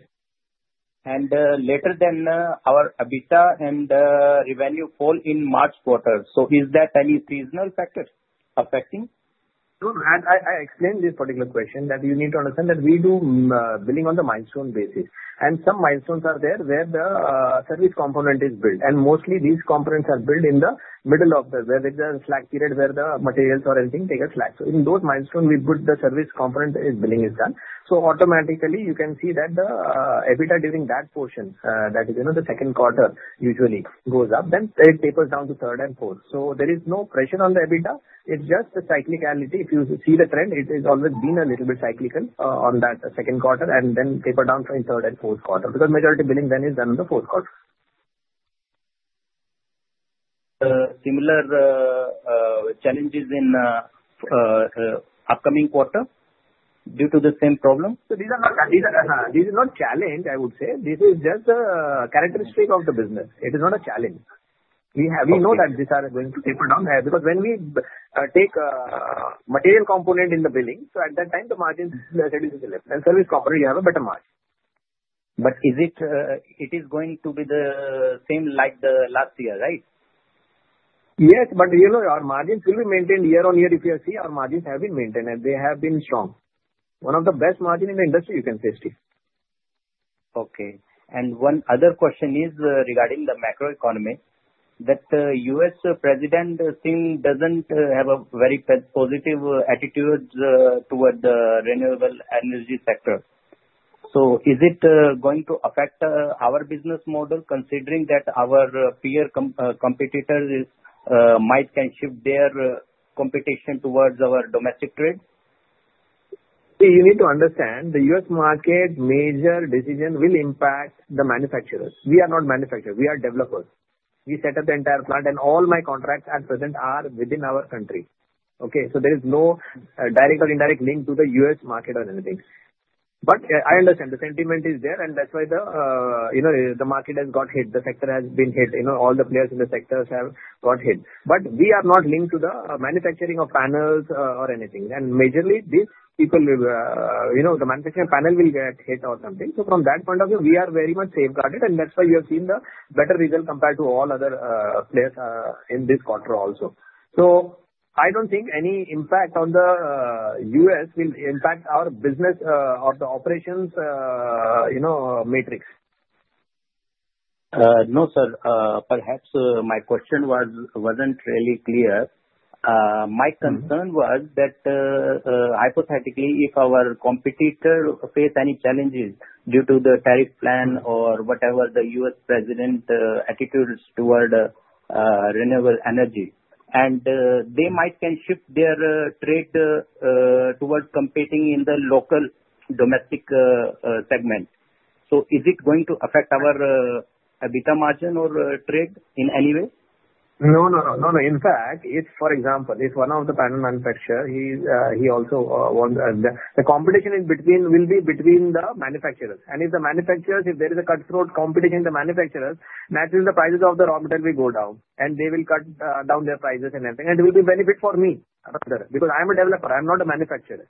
And later than our EBITDA and revenue fall in March quarter. So is that any seasonal factor affecting? No, no. And I explained this particular question that you need to understand that we do billing on the milestone basis. And some milestones are there where the service component is built. And mostly these components are built in the middle of the where there is a slack period where the materials or anything take a slack. So in those milestones, we put the service component as billing is done. So automatically you can see that the EBITDA during that portion, that is, you know, the second quarter usually goes up, then it tapers down to third and fourth. So there is no pressure on the EBITDA. It's just the cyclicality. If you see the trend, it has always been a little bit cyclical on that second quarter and then taper down in third and fourth quarter because majority billing then is done in the fourth quarter. Similar challenges in upcoming quarter due to the same problem? So these are not challenges, I would say. This is just a characteristic of the business. It is not a challenge. We know that these are going to taper down there because when we take material component in the billing, so at that time the margin reduces a little and service component, you have a better margin. But is it, it is going to be the same like the last year, right? Yes, but you know, our margins will be maintained year on year. If you see, our margins have been maintained and they have been strong. One of the best margin in the industry, you can say still. Okay. And one other question is regarding the macroeconomy that the U.S. president still doesn't have a very positive attitude toward the renewable energy sector. So is it going to affect our business model considering that our peer competitors might can shift their competition towards our domestic trade? See, you need to understand the U.S. market major decision will impact the manufacturers. We are not manufacturers. We are developers. We set up the entire plant, and all my contracts at present are within our country. Okay, so there is no direct or indirect link to the U.S. market or anything, but I understand the sentiment is there, and that's why the, you know, the market has got hit. The sector has been hit. You know, all the players in the sectors have got hit, but we are not linked to the manufacturing of panels or anything. And majorly these people will, you know, the manufacturing panel will get hit or something, so from that point of view, we are very much safeguarded, and that's why we have seen the better result compared to all other players in this quarter also. So I don't think any impact on the U.S. will impact our business or the operations, you know, metrics. No, sir. Perhaps my question wasn't really clear. My concern was that, hypothetically, if our competitor faced any challenges due to the tariff plan or whatever the U.S. president’s attitudes toward renewable energy, and they might can shift their trade towards competing in the local domestic segment. So is it going to affect our EBITDA margin or trade in any way? No, no. In fact, if, for example, if one of the panel manufacturer also wants the competition in between will be between the manufacturers. And if the manufacturers, if there is a cutthroat competition in the manufacturers, naturally the prices of the raw material will go down and they will cut down their prices and everything. And it will be benefit for me because I'm a developer. I'm not a manufacturer.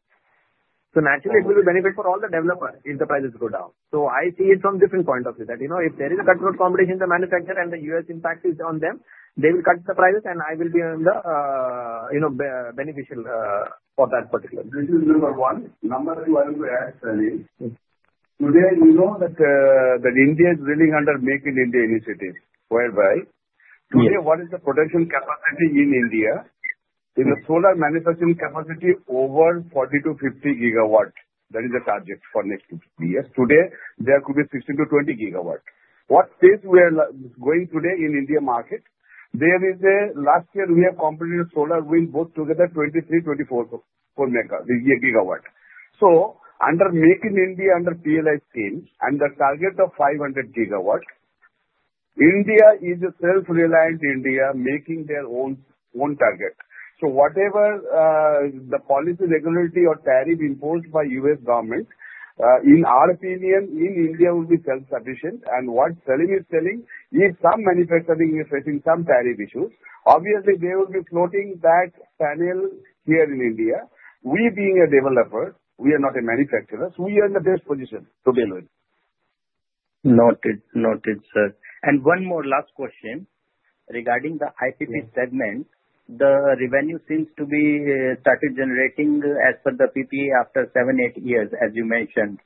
So naturally it will be benefit for all the developer if the prices go down. So I see it from different point of view that, you know, if there is a cutthroat competition in the manufacturer and the U.S. impact is on them, they will cut the prices and I will be in the, you know, beneficial, for that particular. This is number one. Number two I want to add, Salim, today we know that India is really under Make in India initiative, whereby today what is the production capacity in India? In the solar manufacturing capacity over 40 GW-50 GW. That is the target for next 50 years. Today there could be 16 GW-20 GW. What phase we are going today in India market? There is a last year we have completed solar wind both together 23 GW-24 GW. So under Make in India, under PLI scheme, under target of 500 GW, India is a self-reliant India making their own target. So whatever, the policy, regulatory or tariff imposed by U.S. government, in our opinion in India will be self-sufficient. And what Salim is telling is some manufacturing is facing some tariff issues. Obviously they will be importing that panel here in India. We being a developer, we are not a manufacturer. So we are in the best position to deal with. Noted, noted, sir, and one more last question regarding the IPP segment. The revenue seems to be started generating as per the PPA after seven, eight years, as you mentioned,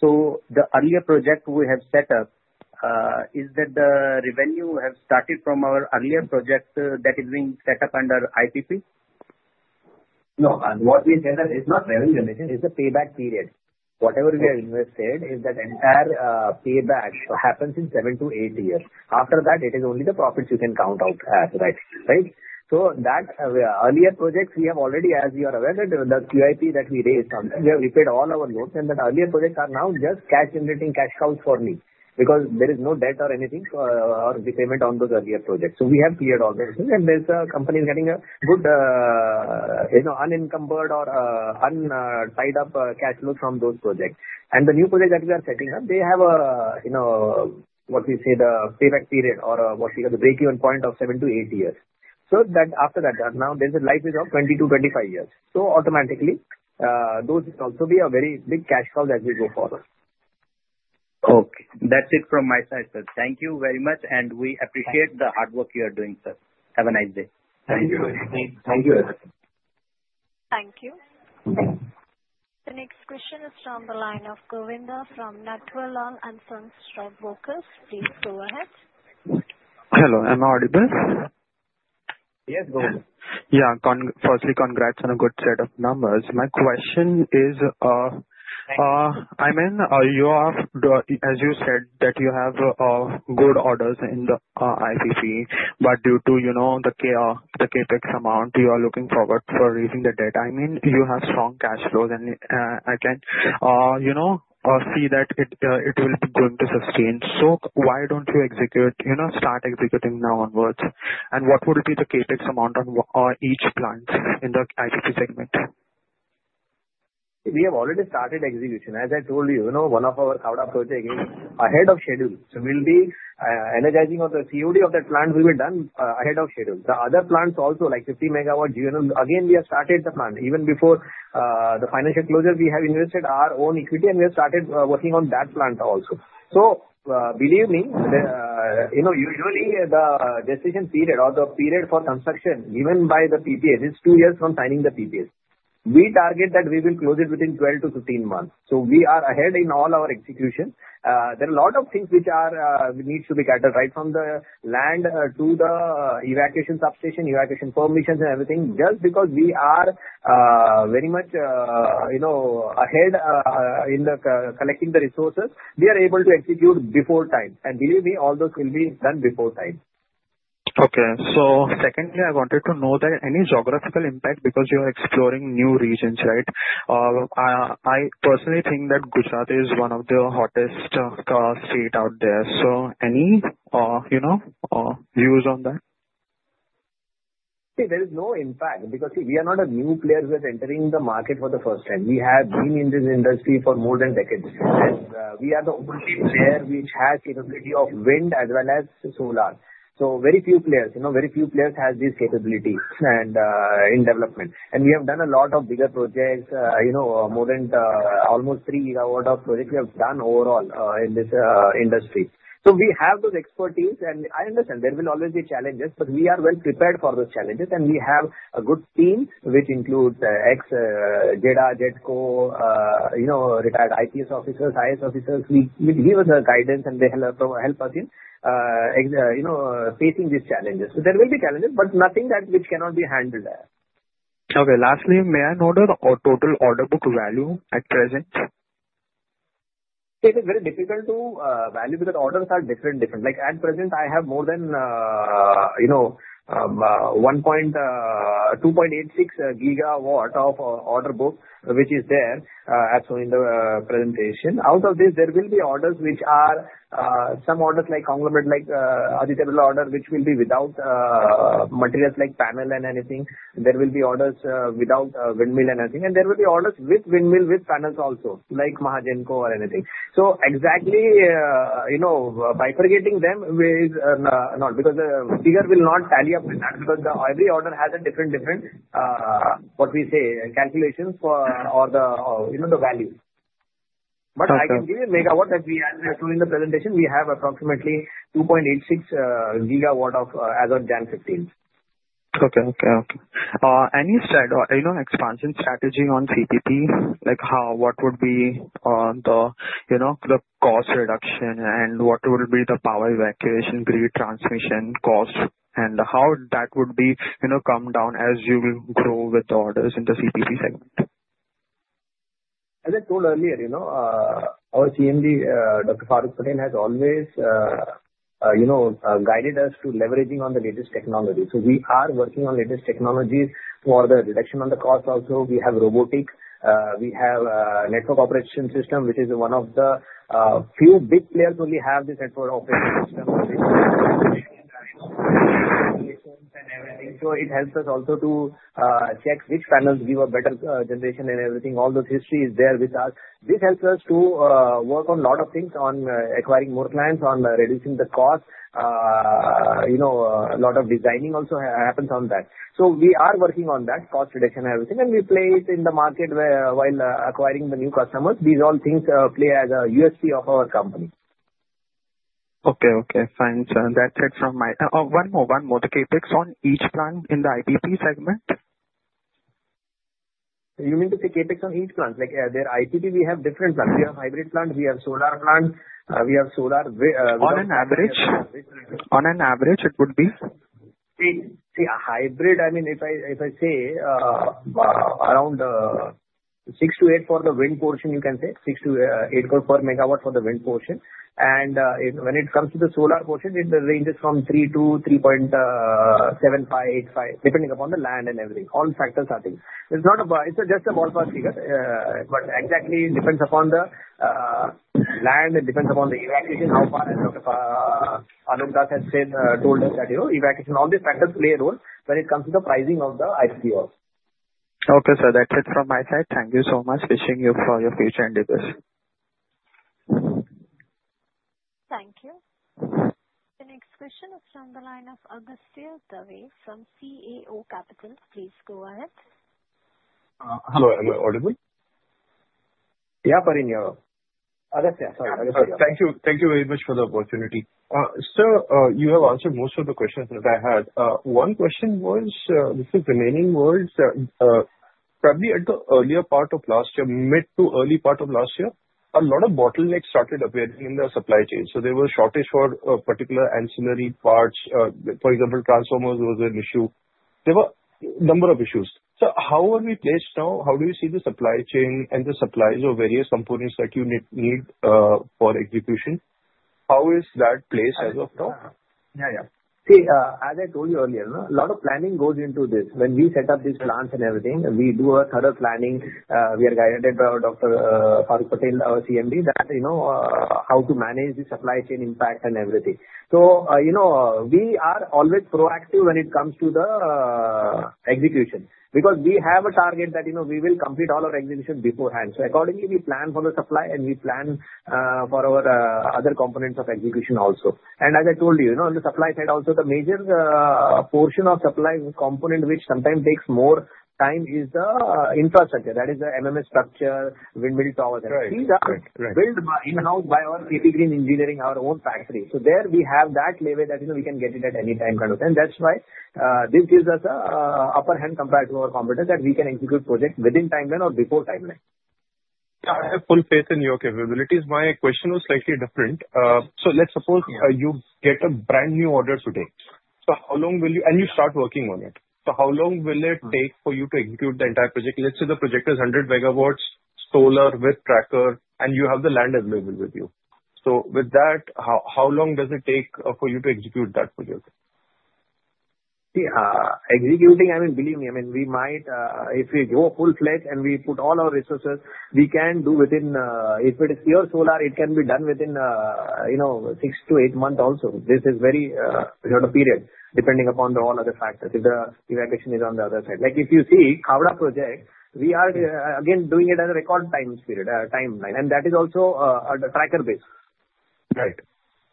so the earlier project we have set up, is that the revenue has started from our earlier project that is being set up under IPP? No. And what we said, that is not very limited. It's a payback period. Whatever we have invested, that entire payback happens in seven to eight years. After that, it is only the profits you can count out as, right, right? So that earlier projects we have already, as you are aware, that the QIP that we raised on that, we have repaid all our loans and that earlier projects are now just cash generating cash cows for me because there is no debt or anything for or repayment on those earlier projects. So we have cleared all those things and the company is getting a good, you know, unencumbered or untied up cash flows from those projects. The new project that we are setting up, they have a, you know, what we say the payback period or what we call the breakeven point of seven-to-eight years. That after that, now there's a life is of 20-to-25 years. Automatically, those will also be a very big cash cow as we go forward. Okay. That's it from my side, sir. Thank you very much and we appreciate the hard work you are doing, sir. Have a nice day. Thank you. Thank you, Rajat. Thank you. The next question is from the line of Govinda from Natvarlal and Sons Stock Brokers. Please go ahead. Hello, I'm audible? Yes, Govinda. Yeah. Firstly, congrats on a good set of numbers. My question is, I mean, you have, as you said, that you have, good orders in the, IPP, but due to, you know, the Cap, the CapEx amount, you are looking forward for raising the debt. I mean, you have strong cash flows and, I can, you know, see that it, it will be going to sustain. So why don't you execute, you know, start executing now onwards? And what would be the CapEx amount on, each plant in the IPP segment? We have already started execution. As I told you, you know, one of our solar projects is ahead of schedule. So we'll be energizing on the COD of that plant will be done ahead of schedule. The other plants also, like 50-MW GUVNL, again, we have started the plant. Even before the financial closure, we have invested our own equity and we have started working on that plant also. So, believe me, you know, usually the gestation period or the period for construction given by the PPA is two years from signing the PPAs. We target that we will close it within 12-15 months. So we are ahead in all our execution. There are a lot of things which need to be gathered right from the land to the evacuation substation, evacuation permissions and everything. Just because we are very much, you know, ahead in collecting the resources, we are able to execute before time, and believe me, all those will be done before time. Okay. So secondly, I wanted to know that any geographical impact because you are exploring new regions, right? I personally think that Gujarat is one of the hottest states out there. So any, you know, views on that? See, there is no impact because, see, we are not a new player that's entering the market for the first time. We have been in this industry for more than decades. And, we are the only player which has capability of wind as well as solar. So very few players, you know, very few players have these capabilities and, in development. And we have done a lot of bigger projects, you know, more than, almost three gigawatt of projects we have done overall, in this, industry. So we have those expertise and I understand there will always be challenges, but we are well prepared for those challenges and we have a good team which includes, ex, GEDA, GETCO, you know, retired IAS officers, IPS officers. They give us guidance and they help us in, you know, facing these challenges. So there will be challenges, but nothing that which cannot be handled there. Okay. Lastly, may I know the total order book value at present? It is very difficult to value because orders are different. Like at present, I have more than, you know, 1.8 GW, 2.86 GW of order book which is there, as shown in the presentation. Out of this, there will be orders which are some orders like from conglomerates, like Aditya Birla order which will be without materials like panels and anything. There will be orders without windmills and everything. And there will be orders with windmills, with panels also, like Mahagenco or anything. So exactly, you know, by footnoting them is not because the figure will not tally up with that because every order has a different what we say, calculations for the value. But I can give you MWs as we are showing in the presentation, we have approximately 2.86 GW as of January 15th. Okay. Any side or, you know, expansion strategy on CPP? Like how, what would be the, you know, cost reduction and what would be the power evacuation grid transmission cost and how that would be, you know, come down as you will grow with the orders in the CPP segment? As I told earlier, you know, our CMD, Dr. Faruk Patel has always, you know, guided us to leveraging on the latest technology, so we are working on latest technologies for the reduction on the cost also. We have robotic, we have network operation system which is one of the few big players who really have this network operation system and everything. So it helps us also to check which panels give a better generation and everything. All those history is there with us. This helps us to work on a lot of things on acquiring more clients, on reducing the cost, you know, a lot of designing also happens on that. So we are working on that cost reduction and everything, and we play it in the market where while acquiring the new customers, these all things play as a USP of our company. Okay. Thanks. That's it from my. One more. The CapEx on each plant in the IPP segment? You mean to say CapEx on each plant? Like, their IPP, we have different plants. We have hybrid plants. We have solar plants. On an average? On an average, it would be? See, a hybrid, I mean, if I say around 6-8 for the wind portion, you can say 6-8 per MW for the wind portion. And when it comes to the solar portion, it ranges from 3-3.75-3.85, depending upon the land and everything. All factors are there. It's not a, it's just a ballpark figure, but exactly depends upon the land and depends upon the evacuation, how far, as Dr. Alok Das has said, told us that, you know, evacuation, all these factors play a role when it comes to the pricing of the IPP also. Okay, sir. That's it from my side. Thank you so much. Wishing you for your future endeavors. Thank you. The next question is from the line of Agastya Dave from CAO Capital. Please go ahead. Hello. Am I audible? Yeah, I'm in here. Agastya, sorry. Agastya. Thank you. Thank you very much for the opportunity. Sir, you have answered most of the questions that I had. One question was, this is the remaining one, probably at the earlier part of last year, mid to early part of last year, a lot of bottlenecks started appearing in the supply chain. So there was shortage for particular ancillary parts. For example, transformers was an issue. There were a number of issues. So how are we placed now? How do you see the supply chain and the supplies of various components that you need for execution? How is that placed as of now? Yeah. See, as I told you earlier, you know, a lot of planning goes into this. When we set up these plants and everything, we do a thorough planning. We are guided by our Dr. Faruk Patel, our CMD, that, you know, how to manage the supply chain impact and everything. So, you know, we are always proactive when it comes to the execution because we have a target that, you know, we will complete all our execution beforehand. So accordingly, we plan for the supply and we plan for our other components of execution also. And as I told you, you know, on the supply side also, the major portion of supply component which sometimes takes more time is the infrastructure. That is the MMS structure, windmill towers. Right, right, right. These are built in-house by our KP Green Engineering, our own factory, so there we have that lever that, you know, we can get it at any time kind of, and that's why this gives us a upper hand compared to our competitors that we can execute projects within timeline or before timeline. Yeah. I have full faith in your capabilities. My question was slightly different. So let's suppose you get a brand new order today. So how long will you, and you start working on it. So how long will it take for you to execute the entire project? Let's say the project is 100 MWs solar with tracker and you have the land available with you. So with that, how long does it take for you to execute that project? See, executing, I mean, believe me, I mean, we might, if we go full-fledged and we put all our resources, we can do within, if it is pure solar, it can be done within, you know, 6-8 months also. This is very short period depending upon all other factors. If the evacuation is on the other side. Like if you see Khavda project, we are, again, doing it as a record time period, timeline. And that is also a tracker-based. Right.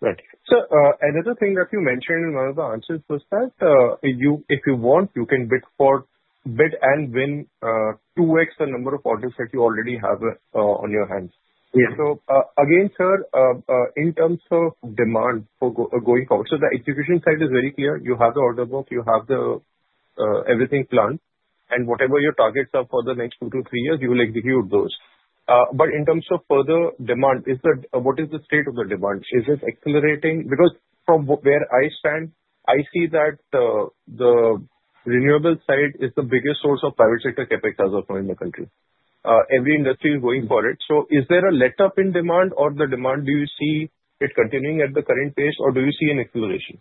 Right. So, another thing that you mentioned in one of the answers was that if you want, you can bid for and win 2X the number of orders that you already have on your hands. Yes. So, again, sir, in terms of demand going forward, so the execution side is very clear. You have the order book, you have everything planned, and whatever your targets are for the next two to three years, you will execute those. But in terms of further demand, what is the state of the demand? Is it accelerating? Because from where I stand, I see that the renewable side is the biggest source of private sector capex as of now in the country. Every industry is going for it. So is there a let-up in demand or the demand, do you see it continuing at the current pace or do you see an acceleration?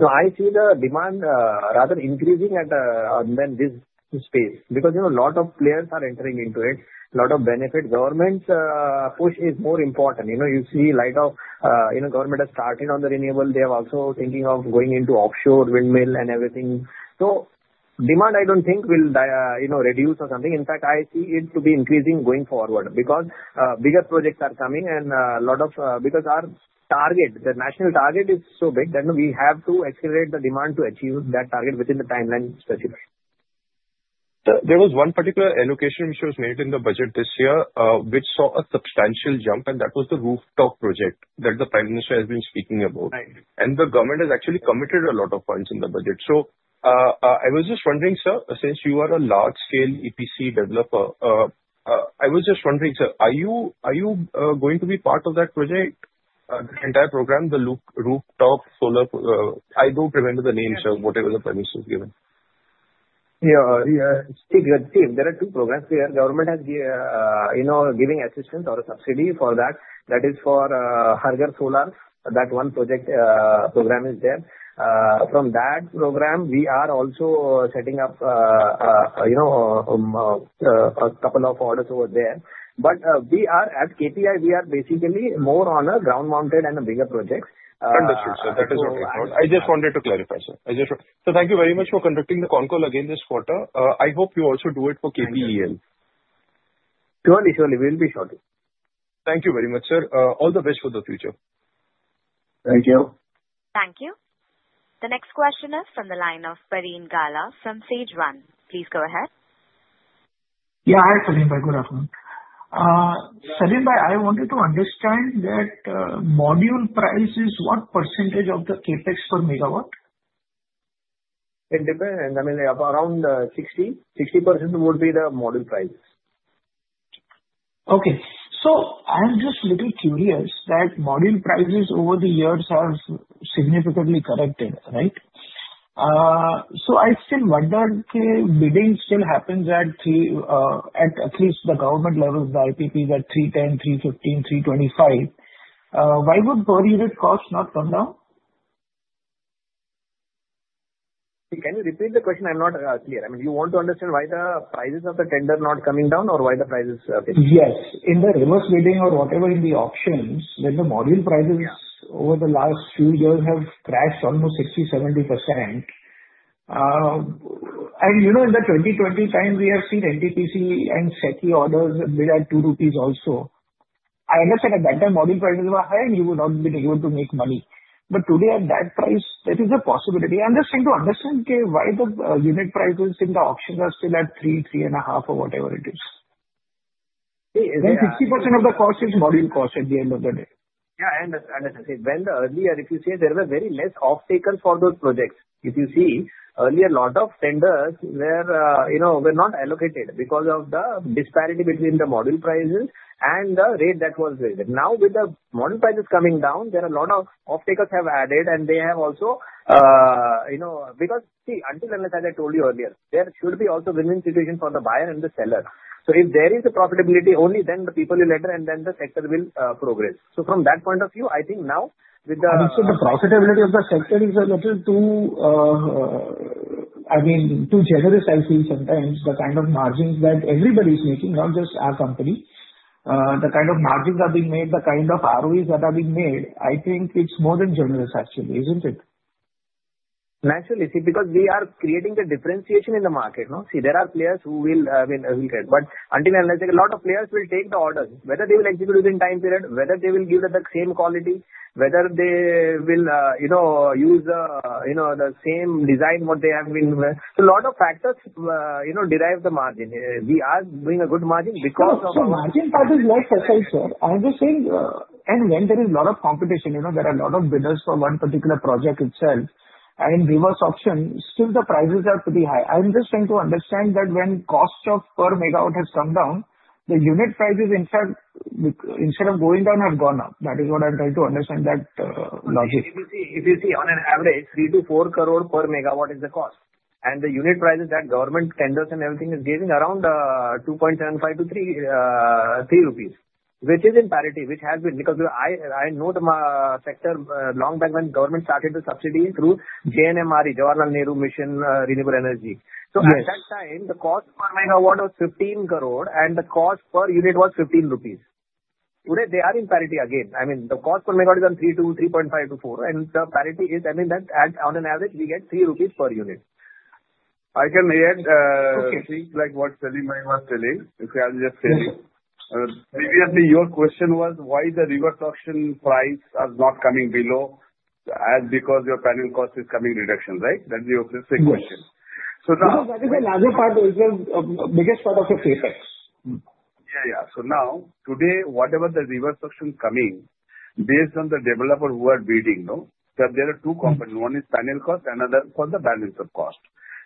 So, I see the demand rather increasing in this space because, you know, a lot of players are entering into it, a lot of benefits. Government's push is more important. You know, in light of, you know, government has started on the renewable. They are also thinking of going into offshore windmill and everything. So, demand I don't think will, you know, reduce or something. In fact, I see it to be increasing going forward because bigger projects are coming and a lot of, because our target, the national target is so big that, you know, we have to accelerate the demand to achieve that target within the timeline specifically. There was one particular allocation which was made in the budget this year, which saw a substantial jump, and that was the rooftop project that the Prime Minister has been speaking about. Right. The government has actually committed a lot of funds in the budget. So, I was just wondering, sir, since you are a large-scale EPC developer, I was just wondering, sir, are you going to be part of that project, the entire program, the loop rooftop solar? I don't remember the name, sir, whatever the permissions given. Yeah, yeah. See, see, there are two programs. Here, government has been, you know, giving assistance or a subsidy for that. That is for larger solar, that one project, program is there. From that program, we are also setting up, you know, a couple of orders over there. But, we are at KPI, we are basically more on a ground-mounted and a bigger project. Understood, sir. That is okay. I just wanted to clarify, sir. I just want—so thank you very much for conducting the con call again this quarter. I hope you also do it for KPEL. Surely, surely. We'll be shortly. Thank you very much, sir. All the best for the future. Thank you. Thank you. The next question is from the line of Parin Gala from Sage One. Please go ahead. Yeah, hi Parin Gala. Good afternoon. Salim, I wanted to understand that, module price is what percentage of the CapEx per megawatt? It depends. I mean, around 60% would be the module price. Okay. I'm just a little curious that module prices over the years have significantly corrected, right? I still wonder if bidding still happens at three, at least the government levels, the IPPs at 310, 315, 325. Why would per unit cost not come down? Can you repeat the question? I'm not clear. I mean, you want to understand why the prices of the tender are not coming down or why the prices are fixed? Yes. In the reverse bidding or whatever in the auctions, when the module prices over the last few years have crashed almost 60%-70%, and, you know, in the 2020 time, we have seen NTPC and SECI orders bid at 2 rupees also. I understand at that time module prices were high and you would not have been able to make money. But today at that price, that is a possibility. I'm just trying to understand, okay, why the unit prices in the auctions are still at 3-3.5 or whatever it is. See, 60% of the cost is module cost at the end of the day. Yeah, I understand. I understand. See, when the earlier, if you say there were very less off-takers for those projects, if you see, earlier a lot of tenders were, you know, were not allocated because of the disparity between the module prices and the rate that was raised. Now with the module prices coming down, there are a lot of off-takers have added and they have also, you know, because see, until and as I told you earlier, there should be also win-win situation for the buyer and the seller. So if there is a profitability, only then the people will enter and then the sector will progress. So from that point of view, I think now with the. I'm sorry, the profitability of the sector is a little too, I mean, too generous, I feel sometimes, the kind of margins that everybody's making, not just our company. The kind of margins are being made, the kind of ROEs that are being made, I think it's more than generous, actually, isn't it? Naturally, see, because we are creating a differentiation in the market, no? See, there are players who will crash. But until and as I said, a lot of players will take the orders, whether they will execute within time period, whether they will give the same quality, whether they will, you know, use, you know, the same design what they have been wearing. So a lot of factors, you know, drive the margin. We are doing a good margin because of our. The margin part is less, as I said. I'm just saying, and when there is a lot of competition, you know, there are a lot of bidders for one particular project itself and reverse auction, still the prices are pretty high. I'm just trying to understand that when cost of per megawatt has come down, the unit prices, in fact, instead of going down, have gone up. That is what I'm trying to understand that, logic. If you see, on average, three to four crore per megawatt is the cost. And the unit prices that government tenders and everything is giving around 2.75-3, 3 rupees, which is in parity, which has been because I know the sector long back when government started the subsidy through JNNSM, Jawaharlal Nehru National Solar Mission. So at that time, the cost per MW was 15 crore and the cost per unit was 15 rupees. Today, they are in parity again. I mean, the cost per megawatt is on 3-3.5-4, and the parity is. I mean, that on average, we get 3 rupees per unit. I can hear, seeing like what Salim was telling, if I'm just saying, previously your question was why the reverse auction price is not coming below as because your panel cost is coming reduction, right? That's the opposite question. So now. No, that is the larger part, which was the biggest part of the CapEx. Yeah, yeah. So now, today, whatever the reverse auction is coming, based on the developers who are bidding, no? So there are two components. One is panel cost, another for the balance of plant cost.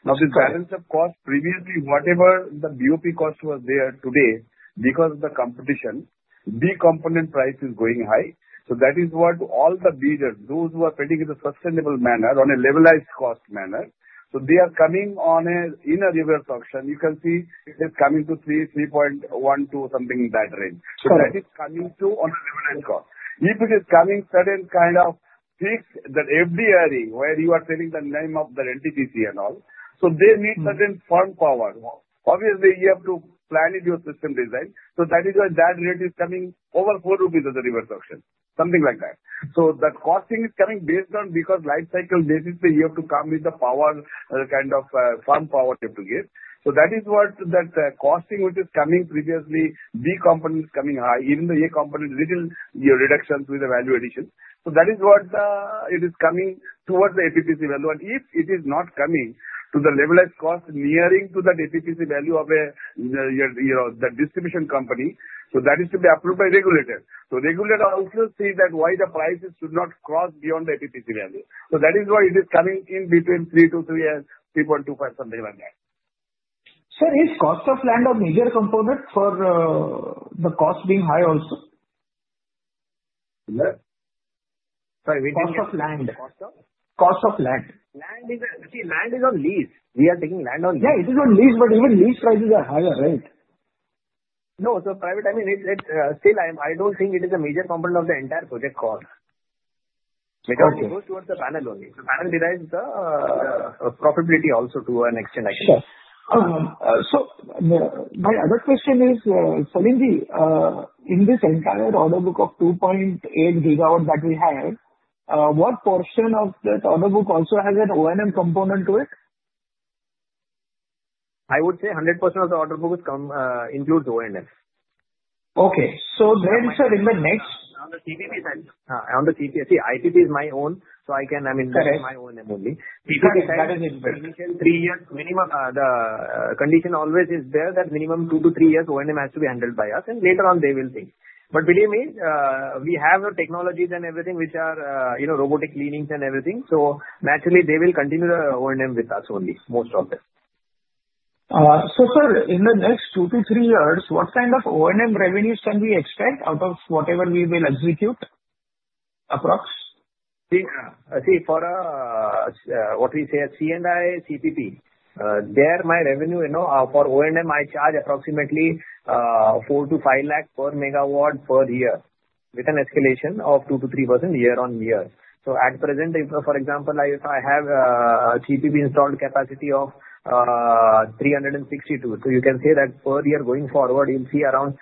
Now, this balance of plant cost, previously, whatever the BOP cost was there today, because of the competition, BOP component price is going high. So that is what all the bidders, those who are bidding in a sustainable manner, on a levelized cost manner, so they are coming on a, in a reverse auction, you can see it is coming to 3-3.1 to something in that range. Correct. So that is coming to on a levelized cost. If it is coming certain kind of fixed that every year where you are telling the name of the NTPC and all, so they need certain firm power. Obviously, you have to plan in your system design. So that is why that rate is coming over 4 rupees as a reverse auction, something like that. So the costing is coming based on because life cycle basically you have to come with the power, kind of, firm power you have to give. So that is what that, costing which is coming previously, B component is coming high, even the A component little, you know, reduction with the value addition. So that is what, it is coming towards the APPC value. And if it is not coming to the levelized cost nearing to that APPC value of a, you know, the distribution company, so that is to be approved by regulator. So regulator also sees that why the prices should not cross beyond the APPC value. So that is why it is coming in between 3 to 3 and 3.25, something like that. Sir, is cost of land a major component for, the cost being high also? What? Sorry, which one? Cost of land. Cost of? Cost of land. Land is on lease. We are taking land on lease. Yeah, it is on lease, but even lease prices are higher, right? No, so private, I mean, it still, I don't think it is a major component of the entire project cost. Because it goes towards the panel only. The panel derives the profitability also to an extent, I think. Sure. So my other question is, Parin Bhai, in this entire order book of 2.8 GW that we have, what portion of that order book also has an O&M component to it? I would say 100% of the order book has come, includes O&M. Okay, so then, sir, in the next. On the TPP side. On the TPP, see, IPP is my own, so I can, I mean, that is my O&M only. TPP side is initial three years, minimum, the condition always is there that minimum two to three years O&M has to be handled by us, and later on they will think. But believe me, we have technologies and everything which are, you know, robotic cleanings and everything. So naturally, they will continue the O&M with us only, most of them. So, sir, in the next two-to-three years, what kind of O&M revenues can we expect out of whatever we will execute, approx? See, for what we say a C&I, CPP, there my revenue, you know, for O&M, I charge approximately four to five lakh per megawatt per year with an escalation of 2%-3% year on year. So at present, if, for example, I have an IPP installed capacity of 362. So you can say that per year going forward, you'll see around,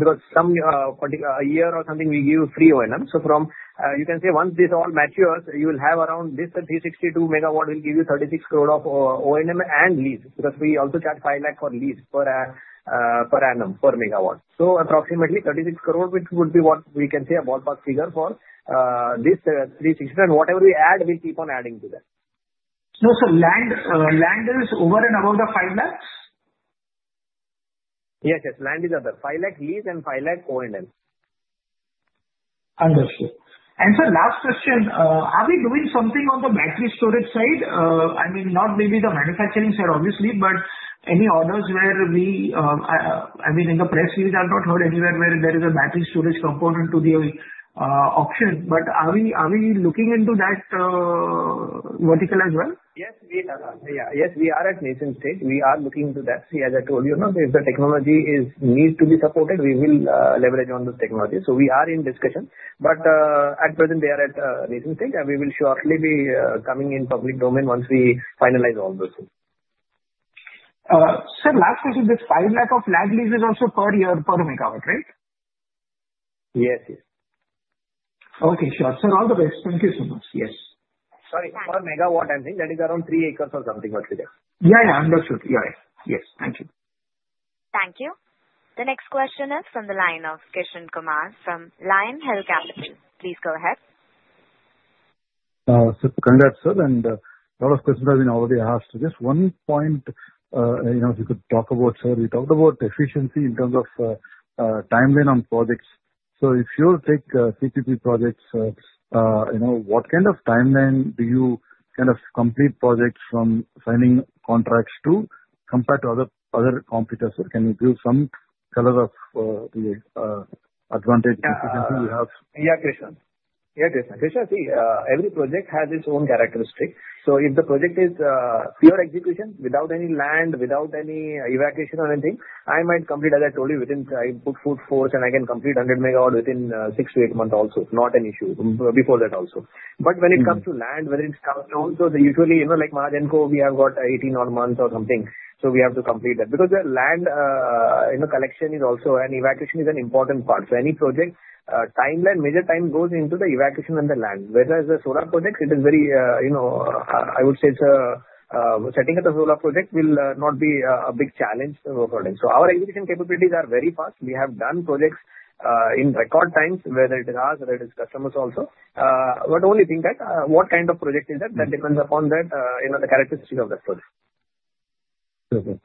because some particular year or something, we give you free O&M. So from, you can say once this all matures, you will have around this 362 MW will give you 36 crore of O&M and lease because we also charge five lakh for lease per annum per megawatt. So approximately 36 crore, which would be what we can say a ballpark figure for this 362. And whatever we add, we'll keep on adding to that. No, sir, land is over and above the 500,000? Yes, yes. Land is up there. 500,000 lease and INR 500,000 O&M. Understood. And, sir, last question, are we doing something on the battery storage side? I mean, not maybe the manufacturing side, obviously, but any orders where we, I mean, in the press, we have not heard anywhere where there is a battery storage component to the auction. But are we, are we looking into that vertical as well? Yes, we are, yeah. Yes, we are at nascent stage. We are looking into that. See, as I told you, no? If the technology is needs to be supported, we will leverage on the technology. So we are in discussion. But at present, they are at nascent stage, and we will shortly be coming in public domain once we finalize all those things. Sir, last question, this 5 lakh of land lease is also per year, per megawatt, right? Yes, yes. Okay, sure. Sir, all the best. Thank you so much. Yes. Sorry, per MW, I'm saying. That is around three acres or something, what we get. Yeah, yeah. Understood. You're right. Yes. Thank you. Thank you. The next question is from the line of Krishnakumar from Lion Hill Capital. Please go ahead. Sir, congrats, sir. And a lot of questions have been already asked. Just one point, you know, if you could talk about, sir, we talked about efficiency in terms of timeline on projects. So if you take CPP projects, you know, what kind of timeline do you kind of complete projects from signing contracts compared to other competitors? Can you give some color of the advantage? Yeah. Efficiency you have. Yeah, Krishnakumar. Yeah, Krishnakumar, see, every project has its own characteristic. So if the project is pure execution without any land, without any evacuation or anything, I might complete, as I told you, within I put full force and I can complete 100 MWs within 6-8 months also. Not an issue. Before that also. But when it comes to land, whether it's construction, so usually, you know, like Mahagenco, we have got 18 odd months or something. So we have to complete that. Because the land, you know, collection is also and evacuation is an important part. So any project, timeline, major time goes into the evacuation and the land. Whereas the solar projects, it is very, you know, I would say it's a setting up a solar project will not be a big challenge for them. So our execution capabilities are very fast. We have done projects, in record times, whether it is us, whether it is customers also. But only think that, what kind of project is that? That depends upon that, you know, the characteristic of that project. Okay.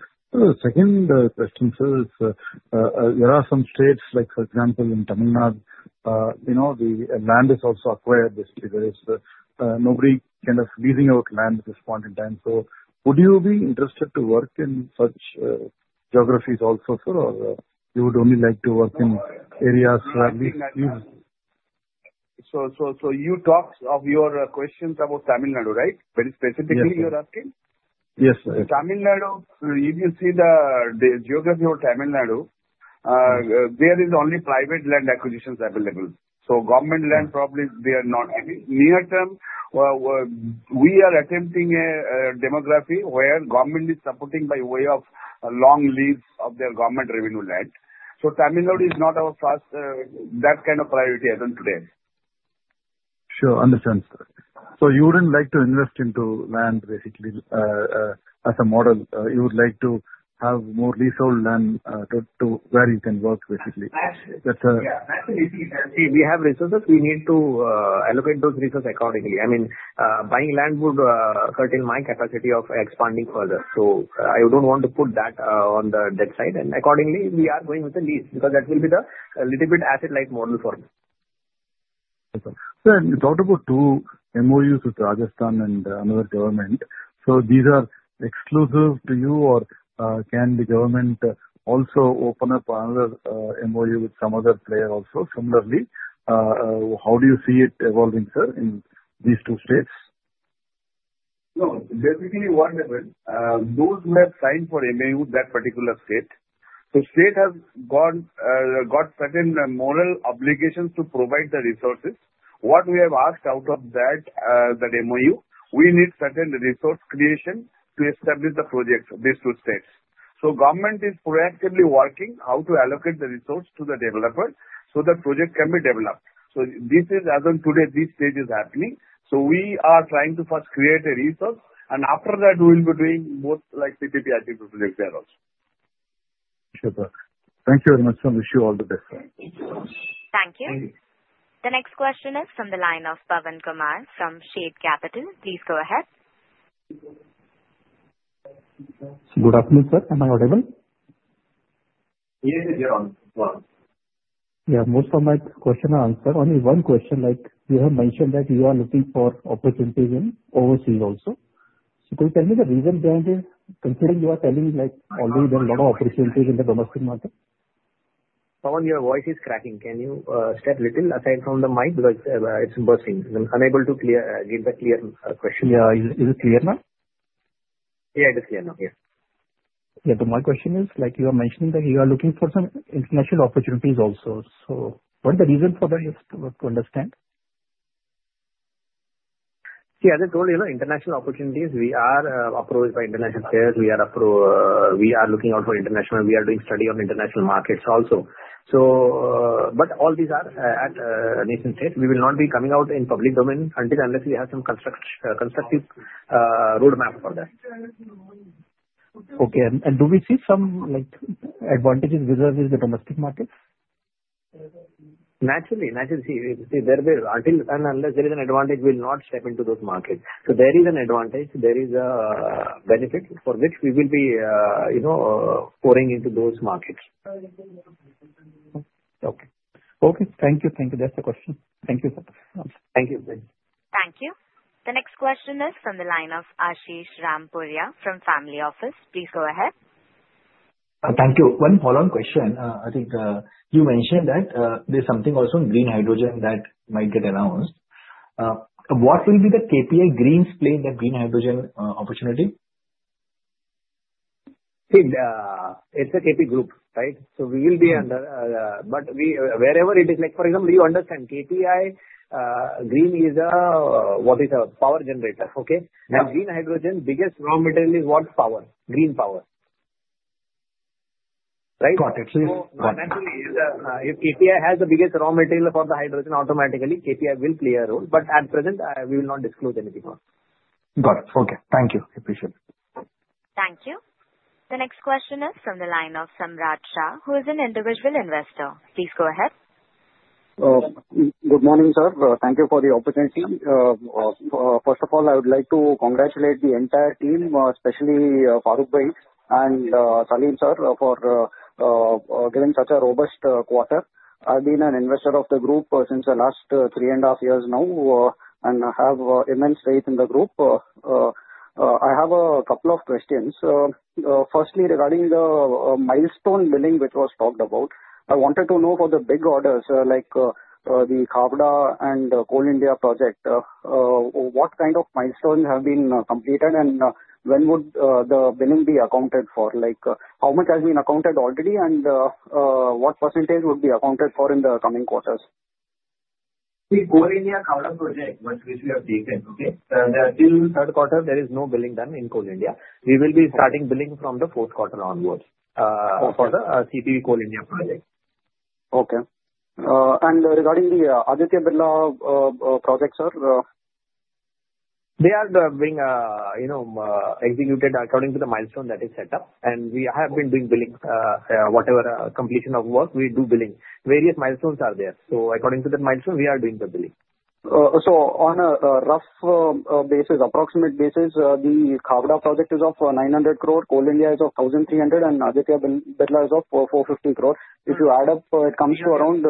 Second question, sir, is there are some states, like for example, in Tamil Nadu, you know, the land is also acquired basically. There is nobody kind of leasing out land at this point in time. So would you be interested to work in such geographies also, sir, or you would only like to work in areas where leases? So you talked of your questions about Tamil Nadu, right? Very specifically you're asking? Yes, sir. Tamil Nadu, if you see the geography of Tamil Nadu, there is only private land acquisitions available. So government land probably they are not. I mean, near term, we are attempting a modality where government is supporting by way of long lease of their government revenue land. So Tamil Nadu is not our first, that kind of priority as of today. Sure. Understood, sir. So you wouldn't like to invest into land basically, as a model, you would like to have more leasehold land, to where you can work basically. That's a... Yeah. That's an issue. See, we have resources. We need to allocate those resources accordingly. I mean, buying land would curtail my capacity of expanding further. So I don't want to put that on the debt side. Accordingly, we are going with the lease because that will be a little bit asset-like model for me. Okay. Sir, you talked about two MOUs with Rajasthan and another government. So these are exclusive to you, or can the government also open up another MOU with some other player also similarly? How do you see it evolving, sir, in these two states? No, basically what happened, those who have signed for MOU with that particular state, the state has gone, got certain moral obligations to provide the resources. What we have asked out of that, that MOU, we need certain resource creation to establish the project for these two states. So government is proactively working how to allocate the resource to the developer so that project can be developed. So this is as of today, this stage is happening. So we are trying to first create a resource, and after that, we'll be doing both like CPP IPP projects there also. Super. Thank you very much, sir. Wish you all the best. Thank you. The next question is from the line of Pawan Kumar from Sharde Capital. Please go ahead. Good afternoon, sir. Am I audible? Yes, yes, you're on. Go on. Yeah. Most of my questions are answered. Only one question, like you have mentioned that you are looking for opportunities in overseas also. So could you tell me the reason behind it, considering you are telling me like already there are a lot of opportunities in the domestic market? Pawan, your voice is cracking. Can you step a little aside from the mic because it's bursting? I'm unable to get the clear question. Yeah. Is it clear now? Yeah, it is clear now. Yes. Yeah, but my question is, like you are mentioning that you are looking for some international opportunities also. So what is the reason for that, just to understand? See, as I told you, no? International opportunities, we are approached by international players. We are looking out for international. We are doing study on international markets also. So, but all these are at nascent stage. We will not be coming out in public domain until unless we have some constructive roadmap for that. Okay. And do we see some, like, advantages vis-à-vis the domestic markets? Naturally, naturally. See, there will, until and unless there is an advantage, we'll not step into those markets, so there is an advantage. There is a benefit for which we will be, you know, pouring into those markets. Okay. Okay. Thank you. Thank you. That's the question. Thank you, sir. Thank you. Thank you. Thank you. The next question is from the line of Ashish Rampuria from Family Office. Please go ahead. Thank you. One follow-on question. I think you mentioned that there's something also in green hydrogen that might get announced. What will be the KPI Green slate for that green hydrogen opportunity? See, it's a KPI group, right? So we will be under, but we, wherever it is, like for example, you understand KPI, green is a, what is a power generator, okay? Now, green hydrogen, biggest raw material is what? Power. Green power. Right? Got it. So naturally, if KPI has the biggest raw material for the hydrogen, automatically KPI will play a role. But at present, we will not disclose anything more. Got it. Okay. Thank you. Appreciate it. Thank you. The next question is from the line of Samrat Shah, who is an individual investor. Please go ahead. Good morning, sir. Thank you for the opportunity. First of all, I would like to congratulate the entire team, especially Faruk Bhai and Salim sir, for giving such a robust quarter. I've been an investor of the group since the last three and a half years now, and I have immense faith in the group. I have a couple of questions. Firstly, regarding the milestone billing which was talked about, I wanted to know for the big orders, like the Khavda and Coal India project, what kind of milestones have been completed and when would the billing be accounted for? Like, how much has been accounted already and what percentage would be accounted for in the coming quarters? See, Coal India Khavda project, which we have taken, okay? There is till third quarter, there is no billing done in Coal India. We will be starting billing from the fourth quarter onwards, for the CPP Coal India project. Okay, and regarding the Aditya Birla project, sir. They are doing, you know, executed according to the milestone that is set up. And we have been doing billing, whatever, completion of work, we do billing. Various milestones are there. So according to that milestone, we are doing the billing. On a rough, approximate basis, the Khavda project is of 900 crore, Coal India is of 1,300, and Aditya Birla is of 450 crore. If you add up, it comes to around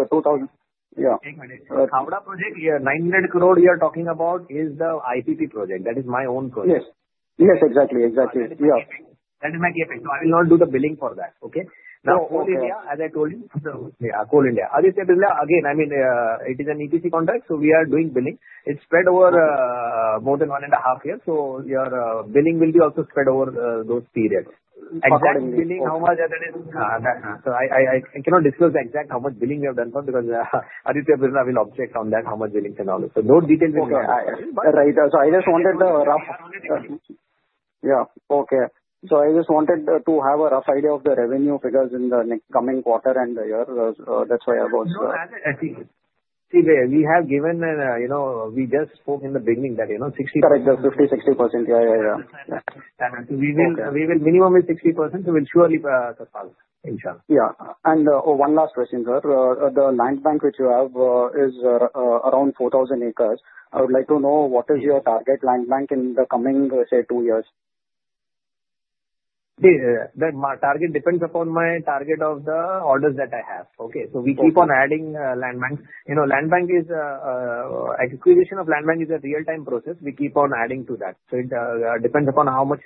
2,000. Khavda project, yeah, 900 crore we are talking about is the IPP project. That is my own project. Yes. Yes, exactly. Exactly. Yeah. That is my KPI. So I will not do the billing for that, okay? Now, Coal India, as I told you, yeah, Coal India. Aditya Birla, again, I mean, it is an EPC contract. So we are doing billing. It's spread over, more than one and a half years. So your, billing will be also spread over, those periods. Regarding billing, how much that is, that, so I cannot disclose the exact how much billing we have done for because Aditya Birla will object on that, how much billing and all. So no details will be available. Right, so I just wanted a rough. Yeah. Okay. So I just wanted to have a rough idea of the revenue figures in the next coming quarter and year. That's why I was. See, we have given an, you know, we just spoke in the beginning that, you know, 60. Correct. The 50%-60%. Yeah. And we will minimum is 60%. We will surely survive, inshallah. Yeah. And oh, one last question, sir. The land bank which you have is around 4,000 acres. I would like to know what is your target land bank in the coming, say, two years? See, that my target depends upon my target of the orders that I have, okay? So we keep on adding land banks. You know, land bank is acquisition of land bank is a real-time process. We keep on adding to that. So it depends upon how much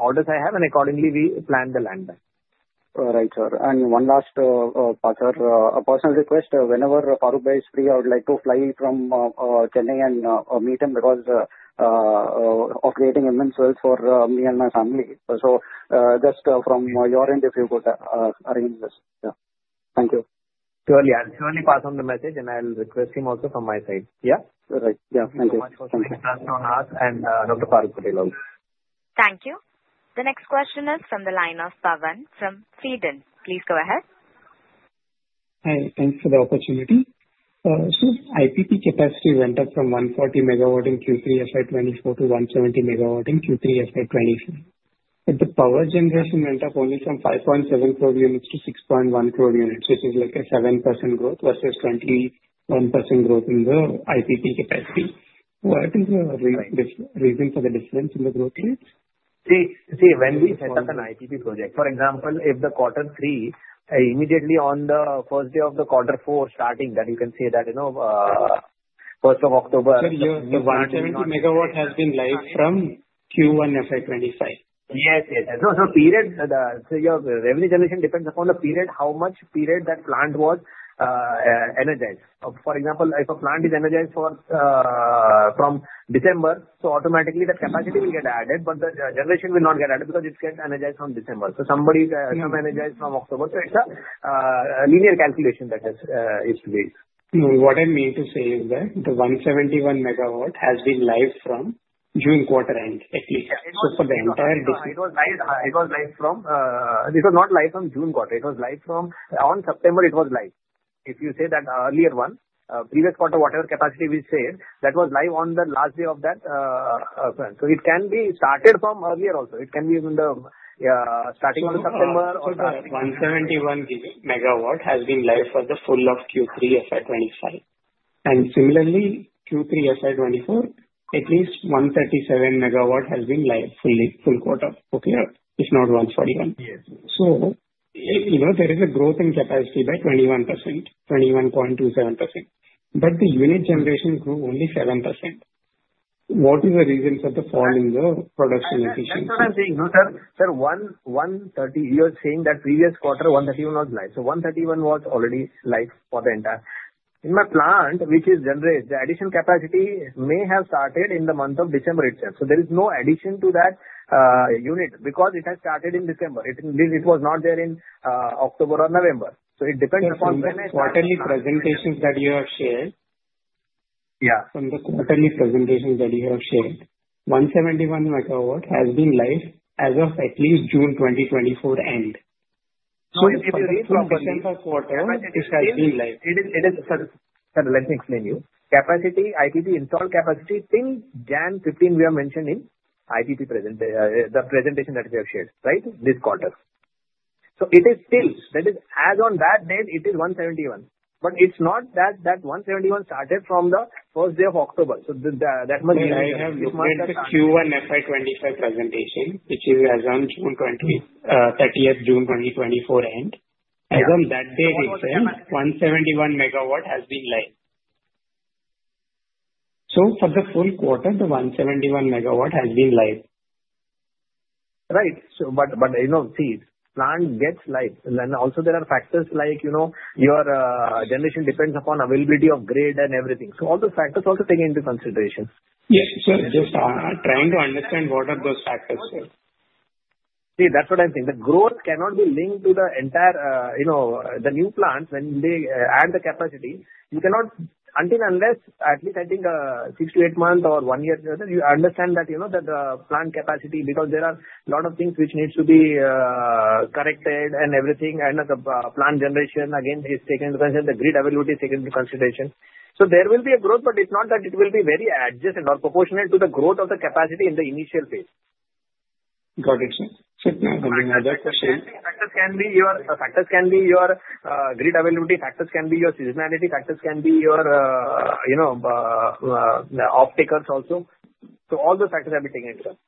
orders I have, and accordingly, we plan the land bank. All right, sir. And one last, sir, a personal request. Whenever Faruk Bhai is free, I would like to fly from Chennai and meet him because of creating immense wealth for me and my family. So, just from your end, if you could arrange this. Yeah. Thank you. Surely. I'll surely pass on the message, and I'll request him also from my side. Yeah? All right. Yeah. Thank you. Thank you so much. Thank you so much. And Dr. Faruk Patel. Thank you. The next question is from the line of Pawan from Sharde Capital. Please go ahead. Hi. Thanks for the opportunity. So IPP capacity went up from 140 MW in Q3 FY 2024 to 170 MW in Q3 FY 2025. But the power generation went up only from 5.7 crore units to 6.1 crore units, which is like a 7% growth versus 21% growth in the IPP capacity. What is the reason for the difference in the growth rates? See, when we set up an IPP project, for example, if the quarter three, immediately on the first day of the quarter four starting, then you can say that, you know, 1st of October. But your 170 MW has been live from Q1 FY 2025. Yes, yes, yes. No, so period. So your revenue generation depends upon the period, how much period that plant was energized. For example, if a plant is energized from December, so automatically that capacity will get added, but the generation will not get added because it gets energized from December. So somebody's gonna energize from October. So it's a linear calculation that is based. What I mean to say is that the 171 MW has been live from June quarter end, at least. So for the entire decision. This was not live from June quarter. It was live on September. If you say that earlier one, previous quarter, whatever capacity we said, that was live on the last day of that, so it can be started from earlier also. It can be even starting on September or. 171 MWs has been live for the full of Q3 FY 2025. And similarly, Q3 FY 2024, at least 137 MWs has been live fully, full quarter, okay? If not 141. Yes. So, you know, there is a growth in capacity by 21%, 21.27%. But the unit generation grew only 7%. What is the reason for the fall in the production efficiency? That's what I'm saying. No, sir, 1,130, you are saying that previous quarter 131 was live. So 131 was already live for the entire. In my plant, which is generated, the addition capacity may have started in the month of December itself. So there is no addition to that unit because it has started in December. It didn't. It was not there in October or November. So it depends upon when I started. The quarterly presentations that you have shared. Yeah. From the quarterly presentations that you have shared, 171 MW has been live as of at least June 2024 end. So it is 171. So it is from the present quarter, it has been live. It is, sir, let me explain you. Capacity, IPP installed capacity since January 15, we are mentioning IPP present, the presentation that we have shared, right? This quarter. So it is still, that is, as on that day, it is 171. But it's not that that 171 started from the first day of October. So that must be the difference. I have looked at the Q1 FY 2025 presentation, which is as on June 30th, 2024 end. As on that date itself, 171 MW has been live. So for the full quarter, the 171 MW has been live. Right, so but you know, see, plant gets live. And then also there are factors like, you know, your generation depends upon availability of grid and everything, so all those factors also taken into consideration. Yes, sir. Just trying to understand what are those factors, sir? See, that's what I'm saying. The growth cannot be linked to the entire, you know, the new plant when they add the capacity. You cannot, until unless, at least I think, six to eight months or one year, you understand that, you know, that the plant capacity, because there are a lot of things which need to be, corrected and everything. And as a, plant generation, again, is taken into consideration, the grid availability is taken into consideration. So there will be a growth, but it's not that it will be very adjacent or proportional to the growth of the capacity in the initial phase. Got it, sir. Sir, can I have another question? Factors can be your grid availability. Factors can be your seasonality. Factors can be your, you know, the off-takers also. So all those factors have been taken into account.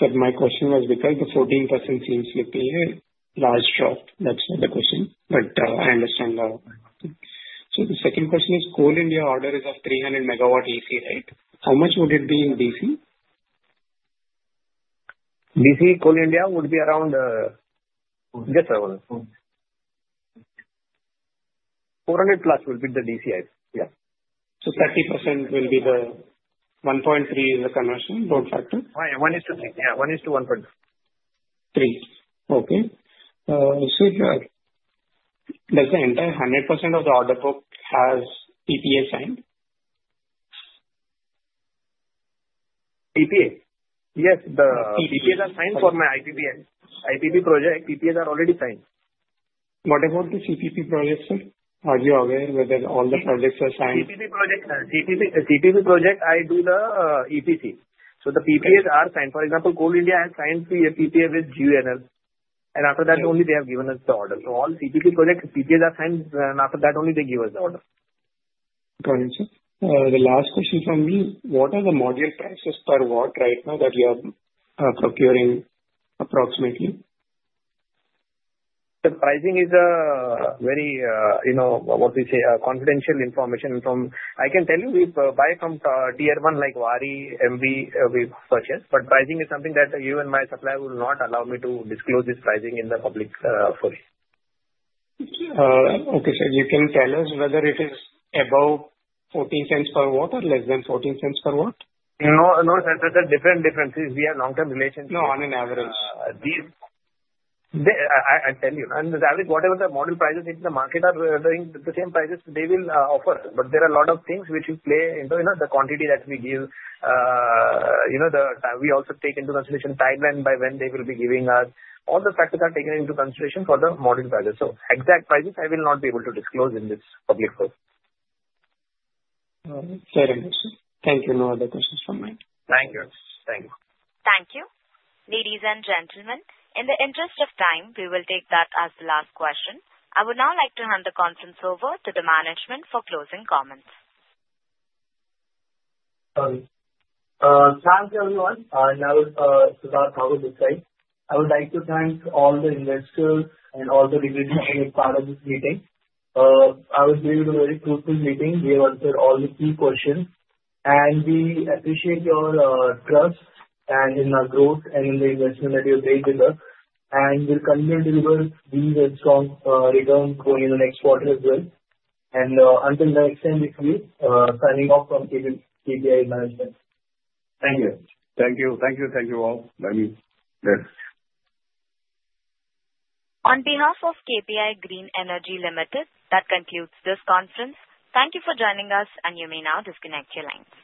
Sir, my question was because the 14% seems to be a large drop. That's not the question. But, I understand the. So the second question is, Coal India order is of 300 MW DC, right? How much would it be in DC? DC, Coal India would be around, just around 400 plus will be the DCs. Yeah. So 30% will be the 1.3 is the conversion, both factors? 1:3. Yeah, 1:1. Okay, sir, does the entire 100% of the order book has PPA signed? PPA? Yes. The PPAs are signed for my IPP project. PPAs are already signed. What about the CPP project, sir? Are you aware whether all the projects are signed? CPP project, CPP, CPP project. I do the EPC. So the PPAs are signed. For example, Coal India has signed PPA with GUVNL. And after that, only they have given us the order. So all CPP project, PPAs are signed, and after that, only they give us the order. Got it, sir. The last question from me, what are the module prices per watt right now that you are procuring approximately? The pricing is very, you know, what we say, confidential information. From what I can tell you, we buy from tier one like Waaree, Emmvee, we purchase. But pricing is something that you and my supplier will not allow me to disclose this pricing in the public, for you. Okay, sir. You can tell us whether it is above $0.14 per watt or less than $0.14 per watt? No, no, sir. Those are different differences. We have long-term relationship. No, on average. These, I tell you, and the average, whatever the model prices in the market are, they will offer the same prices. But there are a lot of things which will play into, you know, the quantity that we give, you know. We also take into consideration timeline by when they will be giving us. All the factors are taken into consideration for the model prices. So exact prices, I will not be able to disclose in this public quote. All right. Very good, sir. Thank you. No other questions from me. Thank you. Thank you. Thank you. Ladies and gentlemen, in the interest of time, we will take that as the last question. I would now like to hand the conference over to the management for closing comments. Thank you, everyone. I will start how we decide. I would like to thank all the investors and all the regions who took part in this meeting. It was a very fruitful meeting. We have answered all the key questions. We appreciate your trust and in our growth and in the investment that you have made with us. We'll continue to deliver these strong returns going into next quarter as well. Until next time, we'll see you, signing off from KPI management. Thank you. Thank you. Thank you. Thank you all. Bye. Yes. On behalf of KPI Green Energy Limited, that concludes this conference. Thank you for joining us, and you may now disconnect your lines.